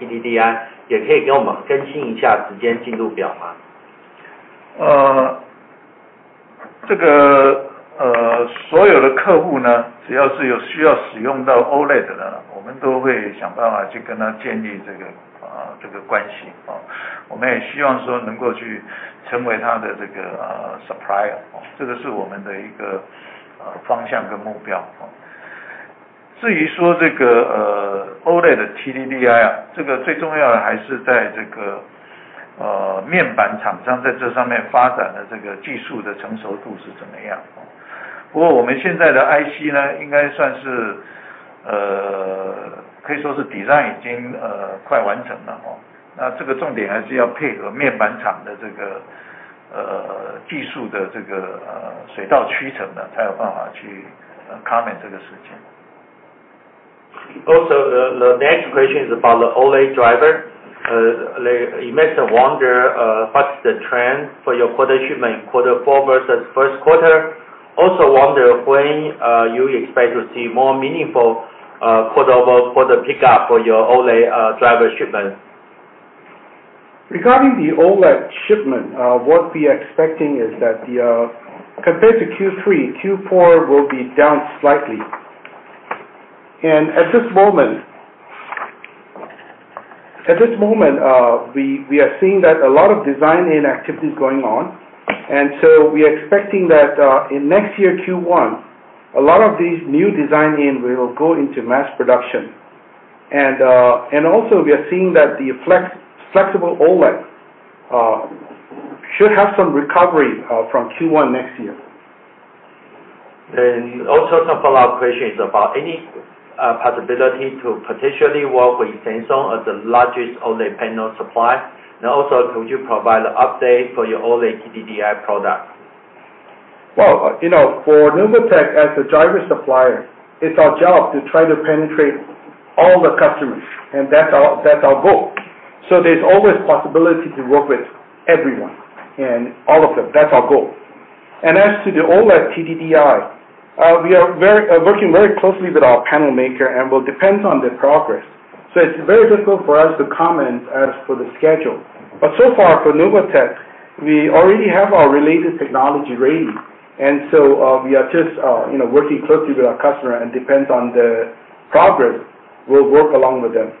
[SPEAKER 1] TDDI，这个最重要的还是在这个面板厂商在这上面发展的这个技术的成熟度是怎么样。不过我们现在的IC呢，应该算是可以说是design已经快完成了。那这个重点还是要配合面板厂的这个技术的这个进度呢，才有办法去comment这个事情。Also the next question is about the OLED driver. You mentioned wonder what's the trend for your quarter shipment, quarter four versus first quarter. Also wonder when you expect to see more meaningful quarter over quarter pickup for your OLED driver shipment. Regarding the OLED shipment, what we are expecting is that compared to Q3, Q4 will be down slightly. At this moment, we are seeing that a lot of design in activity is going on. We are expecting that in next year Q1, a lot of these new design in will go into mass production. Also we are seeing that the flexible OLED should have some recovery from Q1 next year. Also some follow-up questions about any possibility to potentially work with Samsung as the largest OLED panel supplier. Also could you provide an update for your OLED TDDI product? Well, you know for Novatech as the driver supplier, it's our job to try to penetrate all the customers, and that's our goal. There's always possibility to work with everyone and all of them. That's our goal. As to the OLED TDDI, we are working very closely with our panel maker and will depend on their progress. It's very difficult for us to comment as for the schedule. But so far for Novatech, we already have our related technology ready. We are just working closely with our customer and depend on the progress, we'll work along with them.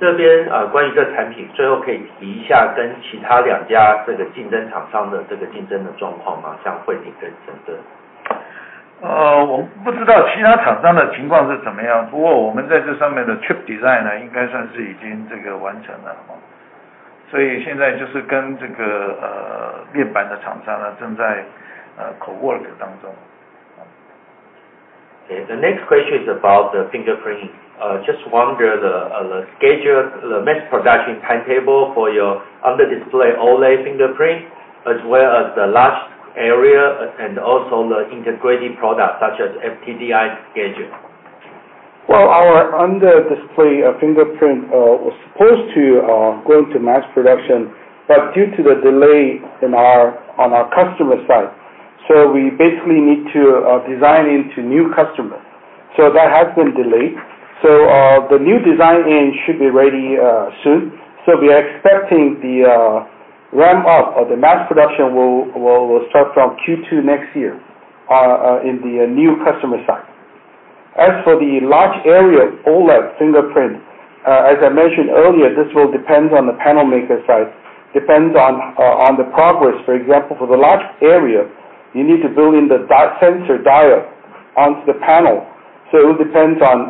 [SPEAKER 1] 这边关于这个产品，最后可以提一下跟其他两家这个竞争厂商的这个竞争的状况吗？像惠宁跟承德。我们不知道其他厂商的情况是怎么样，不过我们在这上面的chip design呢，应该算是已经这个完成了。所以现在就是跟这个面板的厂商呢，正在co-work当中。The next question is about the fingerprint. Just wonder the schedule, the mass production timetable for your under-display OLED fingerprint, as well as the large area and also the integrated product such as FPDI schedule. Our under-display fingerprint was supposed to go into mass production, but due to the delay on our customer side, so we basically need to design in to new customers. So that has been delayed. The new design in should be ready soon. So we are expecting the ramp up or the mass production will start from Q2 next year in the new customer side. As for the large area OLED fingerprint, as I mentioned earlier, this will depend on the panel maker side, depend on the progress. For example, for the large area, you need to build in the sensor dial onto the panel. So it will depend on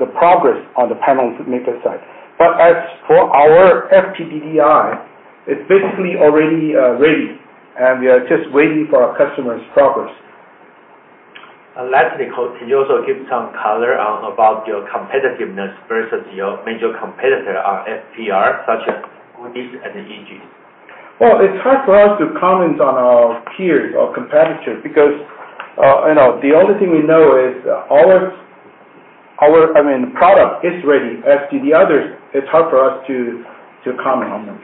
[SPEAKER 1] the progress on the panel maker side. But as for our FPDI, it's basically already ready, and we are just waiting for our customer's progress. Lastly, could you also give some color about your competitiveness versus your major competitor on FPR, such as Goodix and Egis? It's hard for us to comment on our peers or competitors because the only thing we know is our product is ready. As to the others, it's hard for us to comment on them.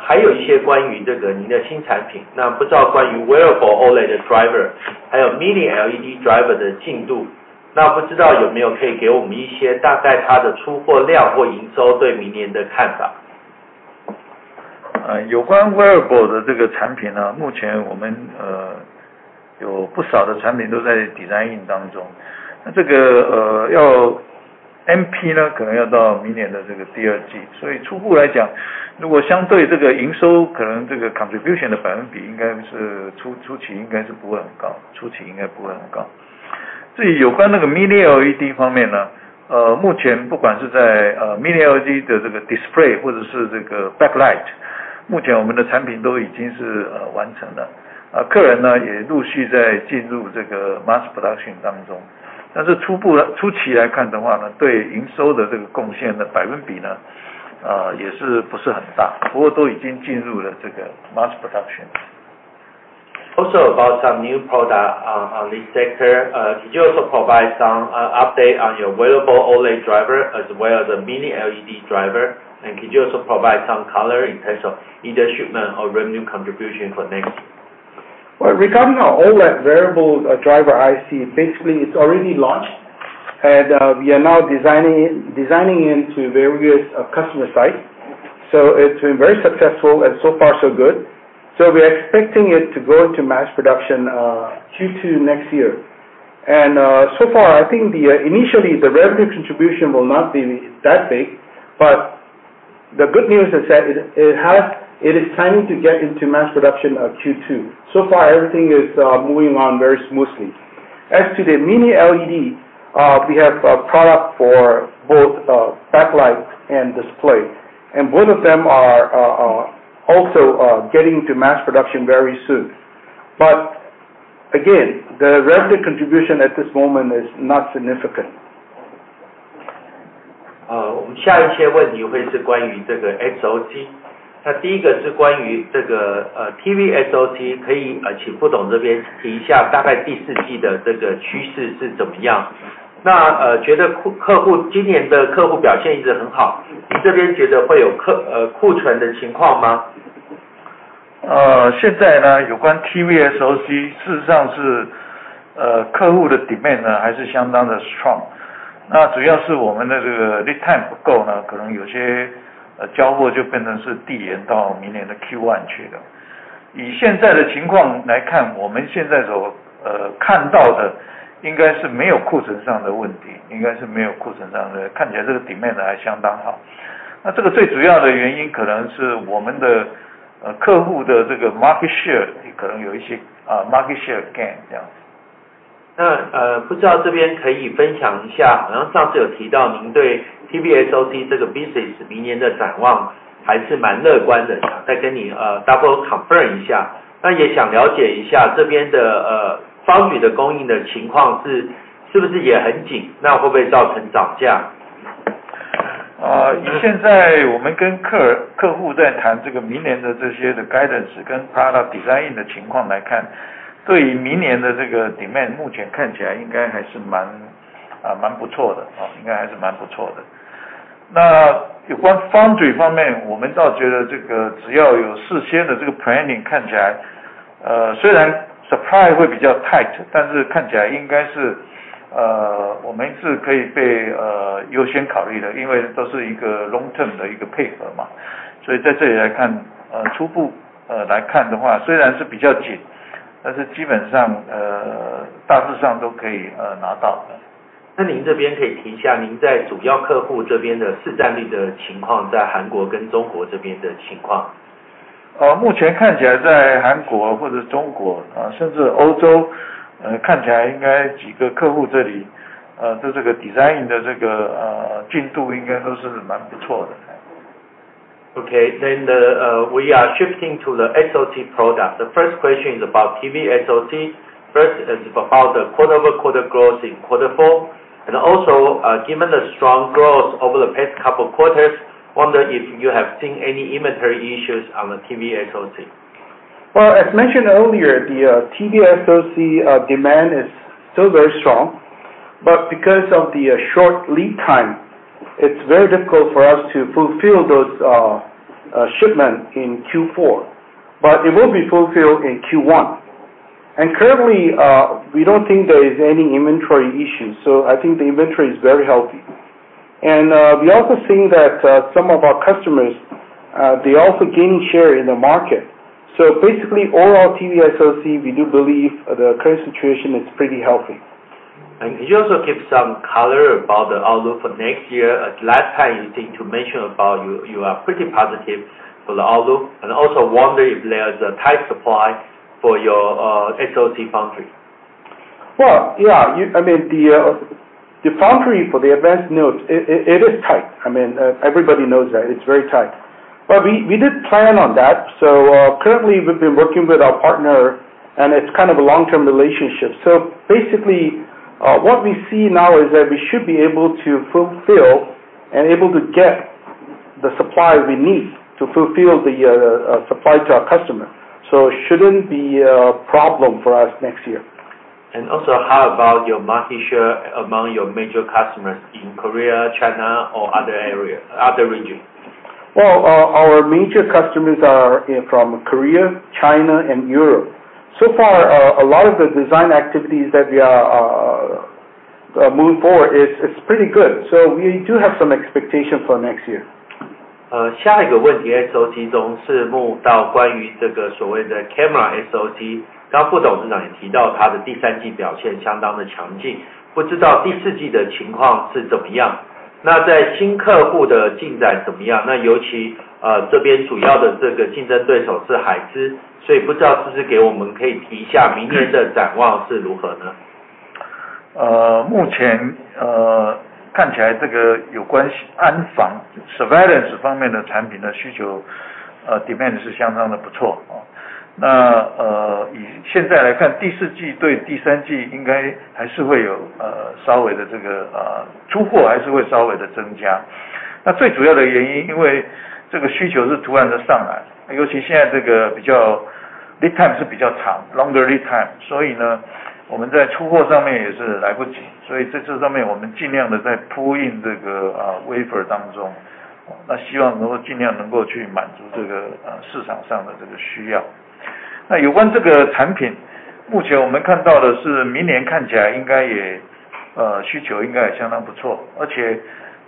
[SPEAKER 1] 还有一些关于您的新产品，不知道关于OLED driver还有Mini LED driver的进度。不知道有没有可以给我们一些大概它的出货量或营收对明年的看法。有关Wave的这个产品呢，目前我们有不少的产品都在design production当中。但是初期来看的话呢，对营收的这个贡献的百分比呢，也是不是很大，不过都已经进入了这个mass production。Also about some new product on this sector, could you also provide some update on your Wave OLED driver as well as the Mini LED driver? Could you also provide some color in terms of either shipment or revenue contribution for next year? Well, regarding our OLED variable driver IC, basically it's already launched, and we are now designing it to various customer sites. It's been very successful, and so far so good. We are expecting it to go into mass production Q2 next year. Initially the revenue contribution will not be that big, but the good news is that it is timing to get into mass production Q2. Everything is moving on very smoothly. As to the Mini LED, we have a product for both backlight and display, and both of them are also getting into mass production very soon. But again, the revenue contribution at this moment is not significant. 我们下一个问题会是关于这个SOC。第一个是关于这个TV SOC，可以请副董这边提一下大概第四季的这个趋势是怎么样。觉得客户今年的客户表现一直很好，您这边觉得会有库存的情况吗？ 现在呢，有关TV SOC，事实上是客户的demand呢，还是相当的strong。那主要是我们的这个lead time不够呢，可能有些交货就变成是递延到明年的Q1去了。以现在的情况来看，我们现在所看到的应该是没有库存上的问题，应该是没有库存上的问题。看起来这个demand还相当好。那这个最主要的原因可能是我们的客户的这个market share，可能有一些market share gain这样子。那不知道这边可以分享一下，好像上次有提到您对TV SOC这个business明年的展望还是蛮乐观的，想再跟您double confirm一下。那也想了解一下这边的foundry的供应的情况是不是也很紧，那会不会造成涨价。以现在我们跟客户在谈这个明年的这些的guidance跟product design term的一个配合嘛。所以在这里来看，初步来看的话，虽然是比较紧，但是基本上大致上都可以拿到的。那您这边可以提一下您在主要客户这边的市占率的情况，在韩国跟中国这边的情况。目前看起来在韩国或者中国，甚至欧洲，看起来应该几个客户这里，这个design in的这个进度应该都是蛮不错的。Okay, then we are shifting to the SOC product. The first question is about TVSOC. First is about the quarter over quarter growth in quarter four. Also, given the strong growth over the past couple of quarters, wonder if you have seen any inventory issues on the TVSOC? As mentioned earlier, the TVSOC demand is still very strong, but because of the short lead time, it's very difficult for us to fulfill those shipments in Q4. But it will be fulfilled in Q1. Currently, we don't think there is any inventory issues. I think the inventory is very healthy. We also think that some of our customers, they also gain share in the market. Basically, overall TVSOC, we do believe the current situation is pretty healthy. Could you also give some color about the outlook for next year? Last time, you seemed to mention about you are pretty positive for the outlook. Also wonder if there is a tight supply for your SOC foundry. Yeah, I mean, the foundry for the advanced nodes, it is tight. I mean, everybody knows that it's very tight. But we did plan on that. Currently, we've been working with our partner, and it's kind of a long-term relationship. Basically, what we see now is that we should be able to fulfill and able to get the supply we need to fulfill the supply to our customer. It shouldn't be a problem for us next year. Also, how about your market share among your major customers in Korea, China, or other regions? Our major customers are from Korea, China, and Europe. So far, a lot of the design activities that we are moving forward is pretty good. We do have some expectations for next year. 下一个问题SOC中是关于这个所谓的Camera SOC。刚刚副董事长也提到它的第三季表现相当的强劲。不知道第四季的情况是怎么样。那在新客户的进展怎么样？那尤其这边主要的这个竞争对手是海思，所以不知道是不是给我们可以提一下明年的展望是如何呢？ time是比较长，longer lead time。所以呢，我们在出货上面也是来不及。所以这次上面我们尽量的在pull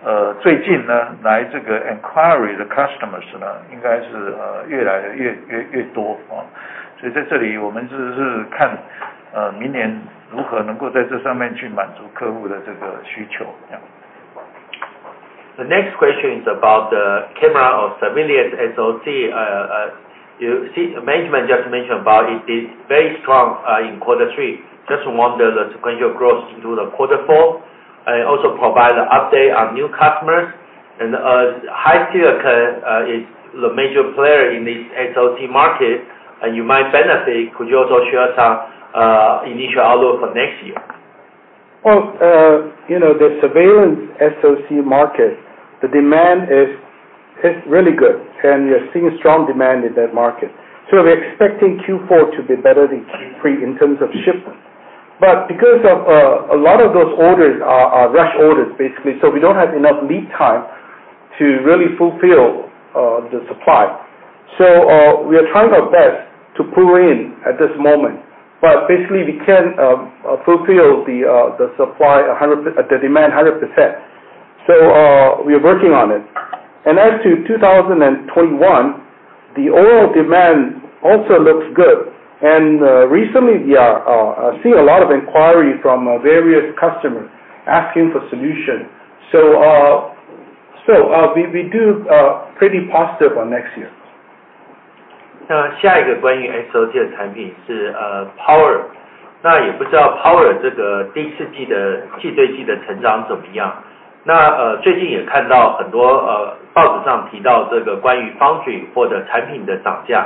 [SPEAKER 1] in这个wafer当中，那希望能够尽量能够去满足这个市场上的这个需要。那有关这个产品，目前我们看到的是明年看起来应该也需求应该也相当不错，而且最近呢，来这个inquiry的customers呢，应该是越来越多。所以在这里我们就是看明年如何能够在这上面去满足客户的这个需求。The next question is about the Camera or Surveillance SOC. Management just mentioned about it being very strong in quarter three. Just wonder the sequential growth into the quarter four and also provide an update on new customers. And HiSilicon is the major player in this SOC market, and you might benefit. Could you also share some initial outlook for next year? Well, you know the surveillance SOC market, the demand is really good, and you're seeing strong demand in that market. We're expecting Q4 to be better than Q3 in terms of shipment. But because a lot of those orders are rush orders, basically, we don't have enough lead time to really fulfill the supply. We are trying our best to pull in at this moment, but basically we can't fulfill the demand 100%. We are working on it. And as to 2021, the overall demand also looks good. And recently, we are seeing a lot of inquiries from various customers asking for solutions. We do pretty positive on next year. 下一个关于SOC的产品是Power。那也不知道Power这个第四季的季对季的成长怎么样。那最近也看到很多报纸上提到这个关于foundry或者产品的涨价，不知道公司的计划是怎么样子呢？关于这个成本还有售价方面，那对毛利的影响是怎么样？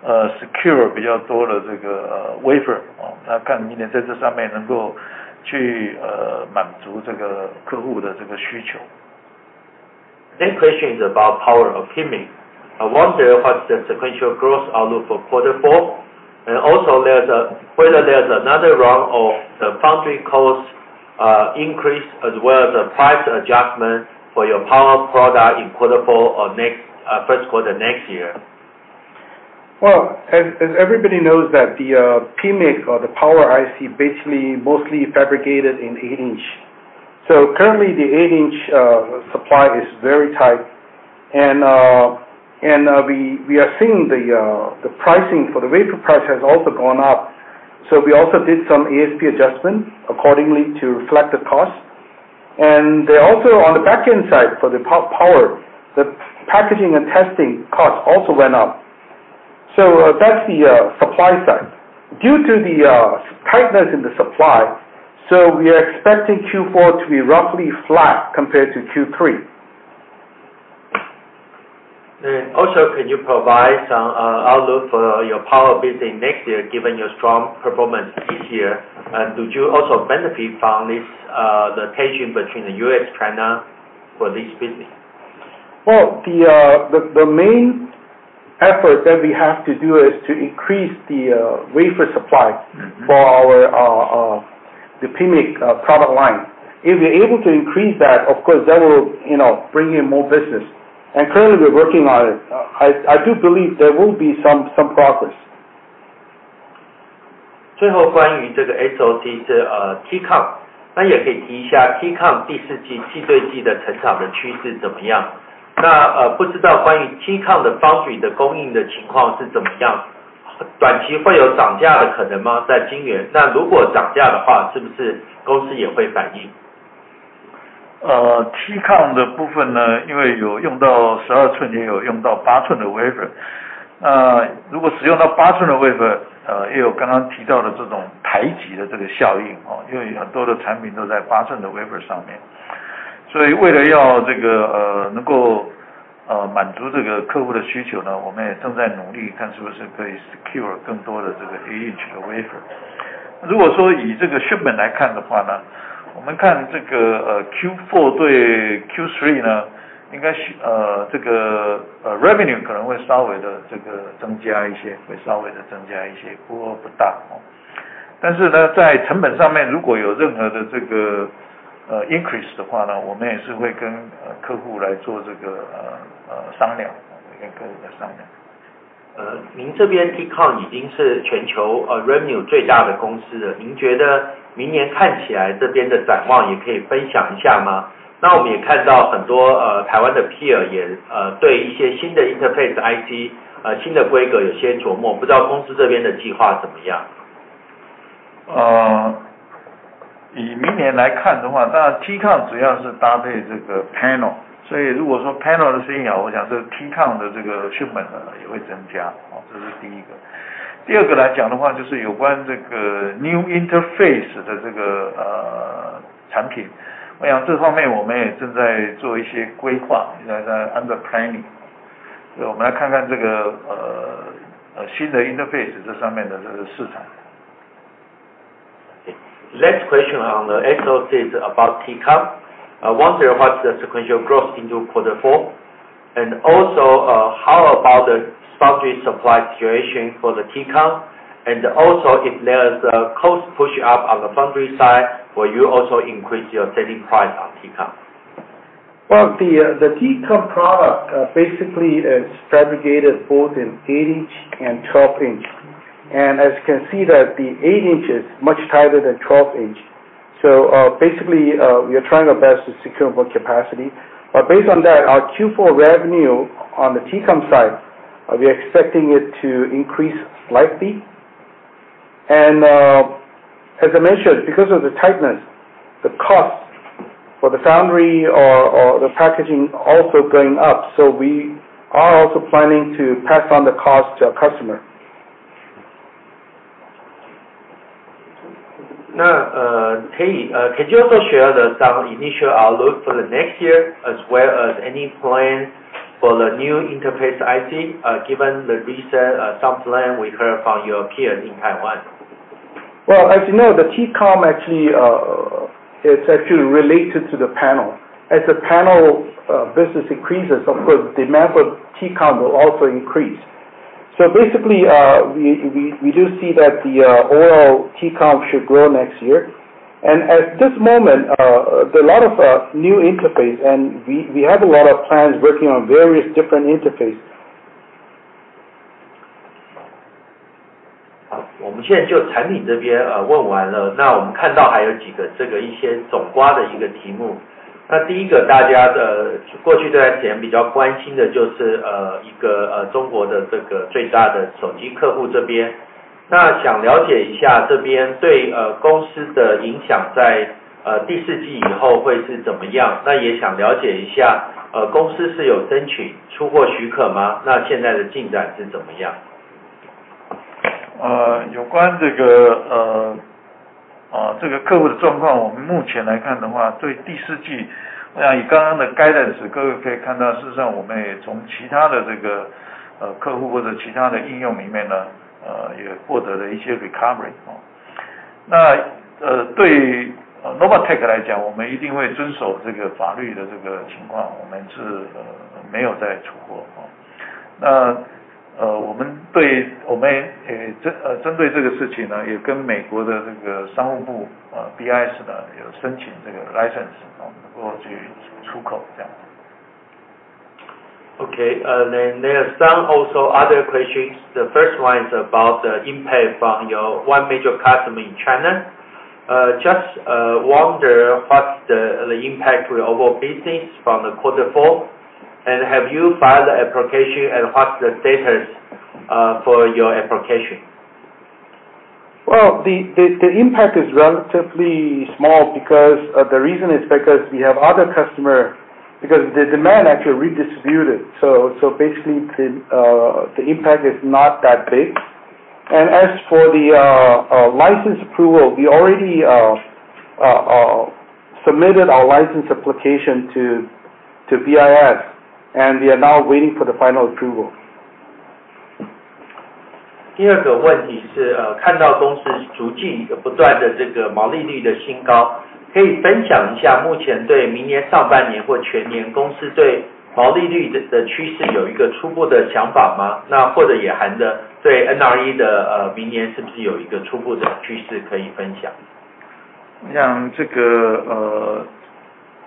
[SPEAKER 1] 现在最主要要解决的还是这个supply的问题，就是明年来讲我们希望说能够secure比较多的这个Wafer，那看明年在这上面能够去满足这个客户的这个需求。Next question is about Power Optimic. I wonder what's the sequential growth outlook for quarter four? And also whether there's another round of the foundry cost increase as well as the price adjustment for your Power product in quarter four or first quarter next year. As everybody knows that the PMIC or the Power IC basically mostly fabricated in 8-inch. So currently the 8-inch supply is very tight. We are seeing the pricing for the wafer price has also gone up. So we also did some ASP adjustment accordingly to reflect the cost. They're also on the backend side for the Power, the packaging and testing cost also went up. So that's the supply side. Due to the tightness in the supply, so we are expecting Q4 to be roughly flat compared to Q3. And also can you provide some outlook for your Power business next year given your strong performance this year? And would you also benefit from this rotation between the US, China for this business? The main effort that we have to do is to increase the wafer supply for our PMIC product line. If we're able to increase that, of course that will bring in more business. Currently we're working on it. I do believe there will be some progress. 最后关于这个SOC是T-COMP，那也可以提一下T-COMP第四季季对季的成长的趋势怎么样。那不知道关于T-COMP的foundry的供应的情况是怎么样？短期会有涨价的可能吗？在今年那如果涨价的话是不是公司也会反应？ T-COMP的部分呢，因为有用到12寸也有用到8寸的Wafer。那如果使用到8寸的Wafer，也有刚刚提到的这种排挤的这个效应，因为很多的产品都在8寸的Wafer上面。所以为了要能够满足客户的需求呢，我们也正在努力看是不是可以secure更多的8-inch的Wafer。如果说以shipment来看的话呢，我们看Q4对Q3呢，应该revenue可能会稍微增加一些，会稍微增加一些，不过不大。但是呢，在成本上面如果有任何increase的话呢，我们也是会跟客户来做商量，跟客户来商量。您这边T-COMP已经是全球revenue最大的公司了，您觉得明年看起来这边的展望也可以分享一下吗？那我们也看到很多台湾的peer也对一些新的interface IC，新的规格有些琢磨，不知道公司这边的计划怎么样。以明年来看的话，当然T-COMP主要是搭配Panel，所以如果说Panel的生意好，我想T-COMP的shipment也会增加。这是第一个。第二个来讲的话就是有关新interface的产品，我想这方面我们也正在做一些规划，应该在under planning。所以我们来看看新的interface上面的市场。Next question on the SOC is about T-COMP. I wonder what's the sequential growth into quarter four? And also how about the foundry supply situation for the T-COMP? And also if there's a cost push-up on the foundry side, will you also increase your selling price on T-COMP? The T-COMP product basically is fabricated both in 8-inch and 12-inch. And as you can see that the 8-inch is much tighter than 12-inch. So basically we are trying our best to secure more capacity. But based on that, our Q4 revenue on the T-COMP side, we are expecting it to increase slightly. And as I mentioned, because of the tightness, the cost for the foundry or the packaging also going up. So we are also planning to pass on the cost to our customer. Could you also share some initial outlook for the next year as well as any plans for the new interface IC given the recent some plans we heard from your peers in Taiwan? As you know, the T-COMP actually is related to the Panel. As the Panel business increases, of course the demand for T-COMP will also increase. So basically we do see that the overall T-COMP should grow next year. And at this moment, there are a lot of new interface, and we have a lot of plans working on various different interface. 我们现在就产品这边问完了。那我们看到还有几个这个一些总括的一个题目。那第一个大家过去这段时间比较关心的就是一个中国的这个最大的手机客户这边。那想了解一下这边对公司的影响在第四季以后会是怎么样。那也想了解一下公司是有争取出货许可吗？那现在的进展是怎么样？ Okay, there are some also other questions. The first one is about the impact from your one major customer in China. Just wonder what's the impact to your overall business from the quarter four? And have you filed the application and what's the status for your application? Well, the impact is relatively small because the reason is because we have other customers, because the demand actually redistributed. So basically the impact is not that big. And as for the license approval, we already submitted our license application to BIS, and we are now waiting for the final approval. 第二个问题是看到公司逐季不断的这个毛利率的新高，可以分享一下目前对明年上半年或全年公司对毛利率的趋势有一个初步的想法吗？那或者也含着对NRE的明年是不是有一个初步的趋势可以分享？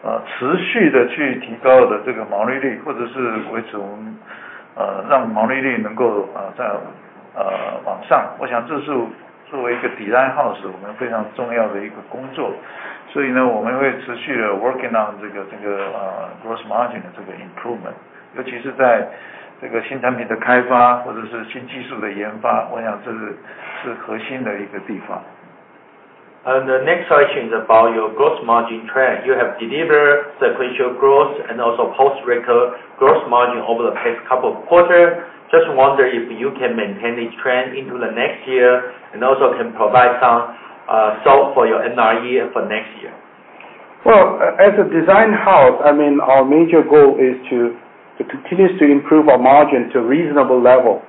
[SPEAKER 1] 我想这个持续的去提高的这个毛利率或者是维持我们让毛利率能够再往上，我想这是作为一个Design House我们非常重要的一个工作。所以呢，我们会持续的working on这个gross margin的这个improvement，尤其是在这个新产品的开发或者是新技术的研发，我想这是核心的一个地方。The next question is about your gross margin trend. You have delivered sequential growth and also post-record gross margin over the past couple of quarters. Just wonder if you can maintain this trend into the next year and also can provide some color for your NRE for next year. Well, as a Design House, I mean our major goal is to continue to improve our margin to a reasonable level.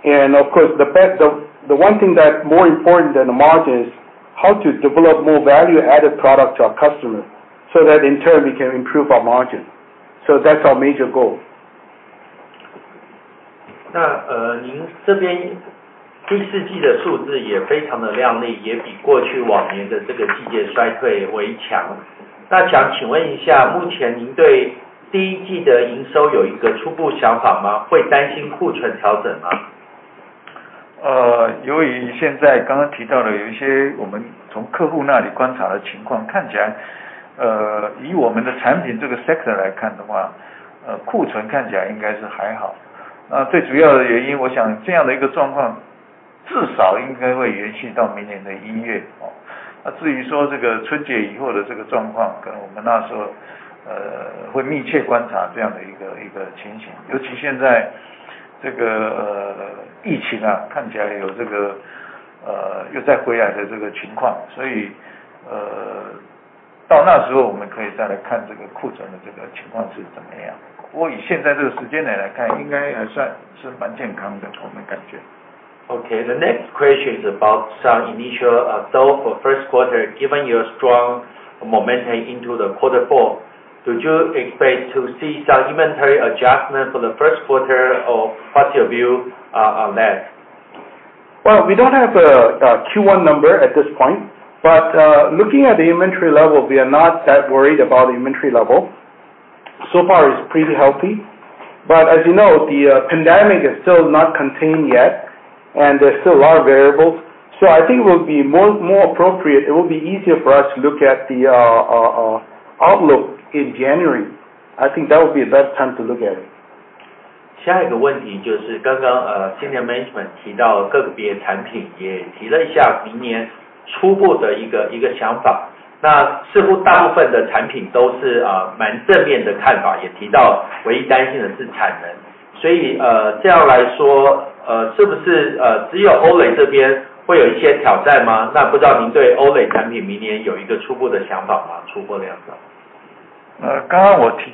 [SPEAKER 1] Of course, the one thing that's more important than the margin is how to develop more value-added product to our customers so that in turn we can improve our margin. So that's our major goal. 那您这边第四季的数字也非常的亮丽，也比过去往年的这个季节衰退为强。那想请问一下目前您对第一季的营收有一个初步想法吗？会担心库存调整吗？ Okay, the next question is about some initial salt for first quarter given your strong momentum into the quarter four. Do you expect to see some inventory adjustment for the first quarter or what's your view on that? Well, we don't have a Q1 number at this point, but looking at the inventory level, we are not that worried about the inventory level. So far it's pretty healthy. But as you know, the pandemic is still not contained yet, and there's still a lot of variables. So I think it will be more appropriate; it will be easier for us to look at the outlook in January. I think that will be the best time to look at it. 下一个问题就是刚刚Senior Management提到各个别产品，也提了一下明年初步的一个想法。那似乎大部分的产品都是蛮正面的看法，也提到唯一担心的是产能。所以这样来说，是不是只有OLED这边会有一些挑战吗？那不知道您对OLED产品明年有一个初步的想法吗？出货量上。刚刚我提到的就是OLED来看的话，我们现在expect的应该明年应该会Q2左右应该可以recover回来。应该就是说这个出货的数量应该可以回来。不过不管怎么样，在手机上来看，反正你一定要有一个display，就要有一个driver。Either是这个TDDI or是这个OLED。所以基本上只要这个demand在，我们认为只是使用什么technology而已。所以我觉得这个不会是一个问题。Senior Management have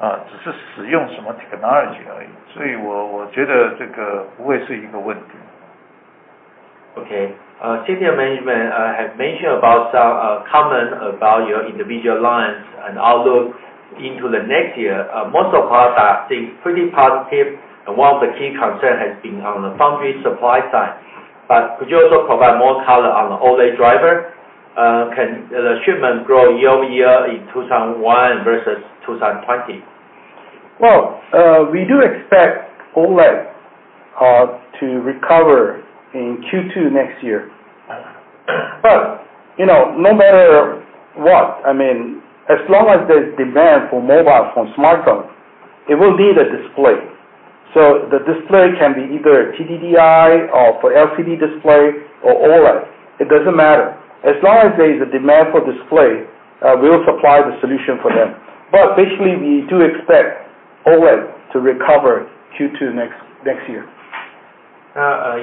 [SPEAKER 1] mentioned some comments about your individual lines and outlook into the next year. Most of us are seeing pretty positive, and one of the key concerns has been on the foundry supply side. But could you also provide more color on the OLED driver? Can the shipment grow year over year in 2021 versus 2020? Well, we do expect OLED to recover in Q2 next year. But you know, no matter what, I mean as long as there's demand for mobile, for smartphones, it will need a display. So the display can be either TDDI or for LCD display or OLED; it doesn't matter. As long as there is a demand for display, we will supply the solution for them. But basically we do expect OLED to recover Q2 next year.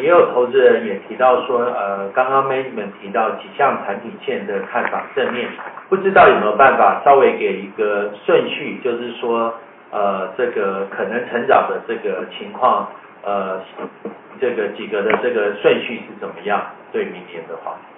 [SPEAKER 1] 也有投资人提到说刚刚Management提到几项产品线的看法正面。不知道有没有办法稍微给一个顺序，就是说可能成长的情况，这几个的顺序是怎么样？对明年的话，明年。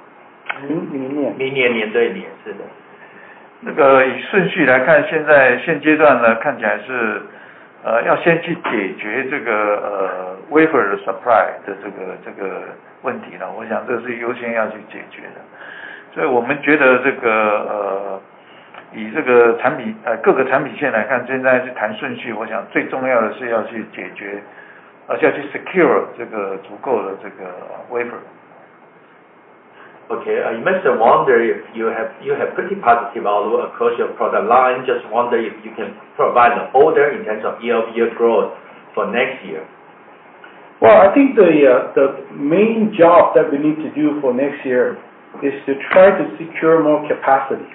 [SPEAKER 1] I must wonder if you have pretty positive outlook across your product line. Just wonder if you can provide the order in terms of year over year growth for next year. Well, I think the main job that we need to do for next year is to try to secure more capacity.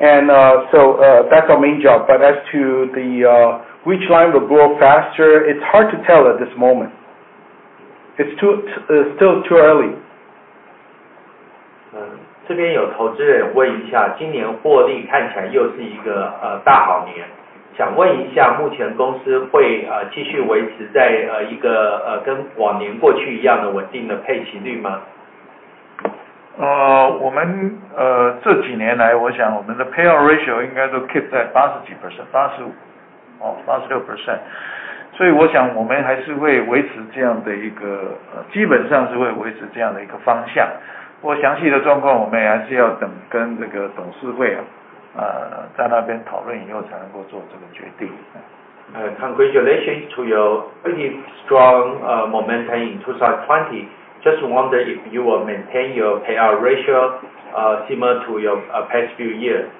[SPEAKER 1] That's our main job. But as to which line will grow faster, it's hard to tell at this moment. It's still too early. Congratulations on your pretty strong momentum in 2020. Just wonder if you will maintain your payout ratio similar to your past few years.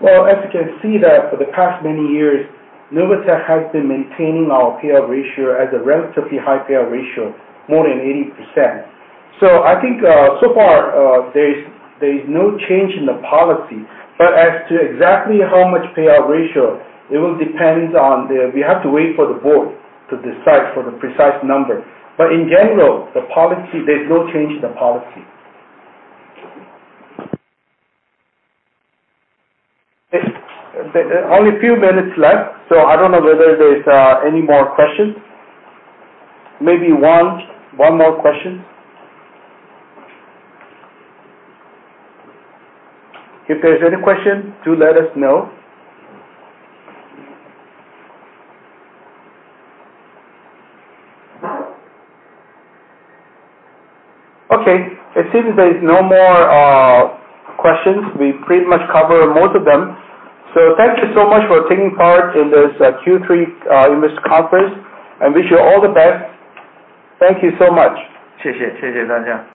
[SPEAKER 1] Well, as you can see that for the past many years, NovaTech has been maintaining our payout ratio as a relatively high payout ratio, more than 80%. I think so far there is no change in the policy. But as to exactly how much payout ratio, it will depend on the we have to wait for the board to decide for the precise number. But in general, the policy, there's no change in the policy. Only a few minutes left, so I don't know whether there's any more questions. Maybe one more question. If there's any question, do let us know. Okay, it seems there's no more questions. We pretty much covered most of them. Thank you so much for taking part in this Q3 Investor Conference. I wish you all the best. Thank you so much. 谢谢，谢谢大家。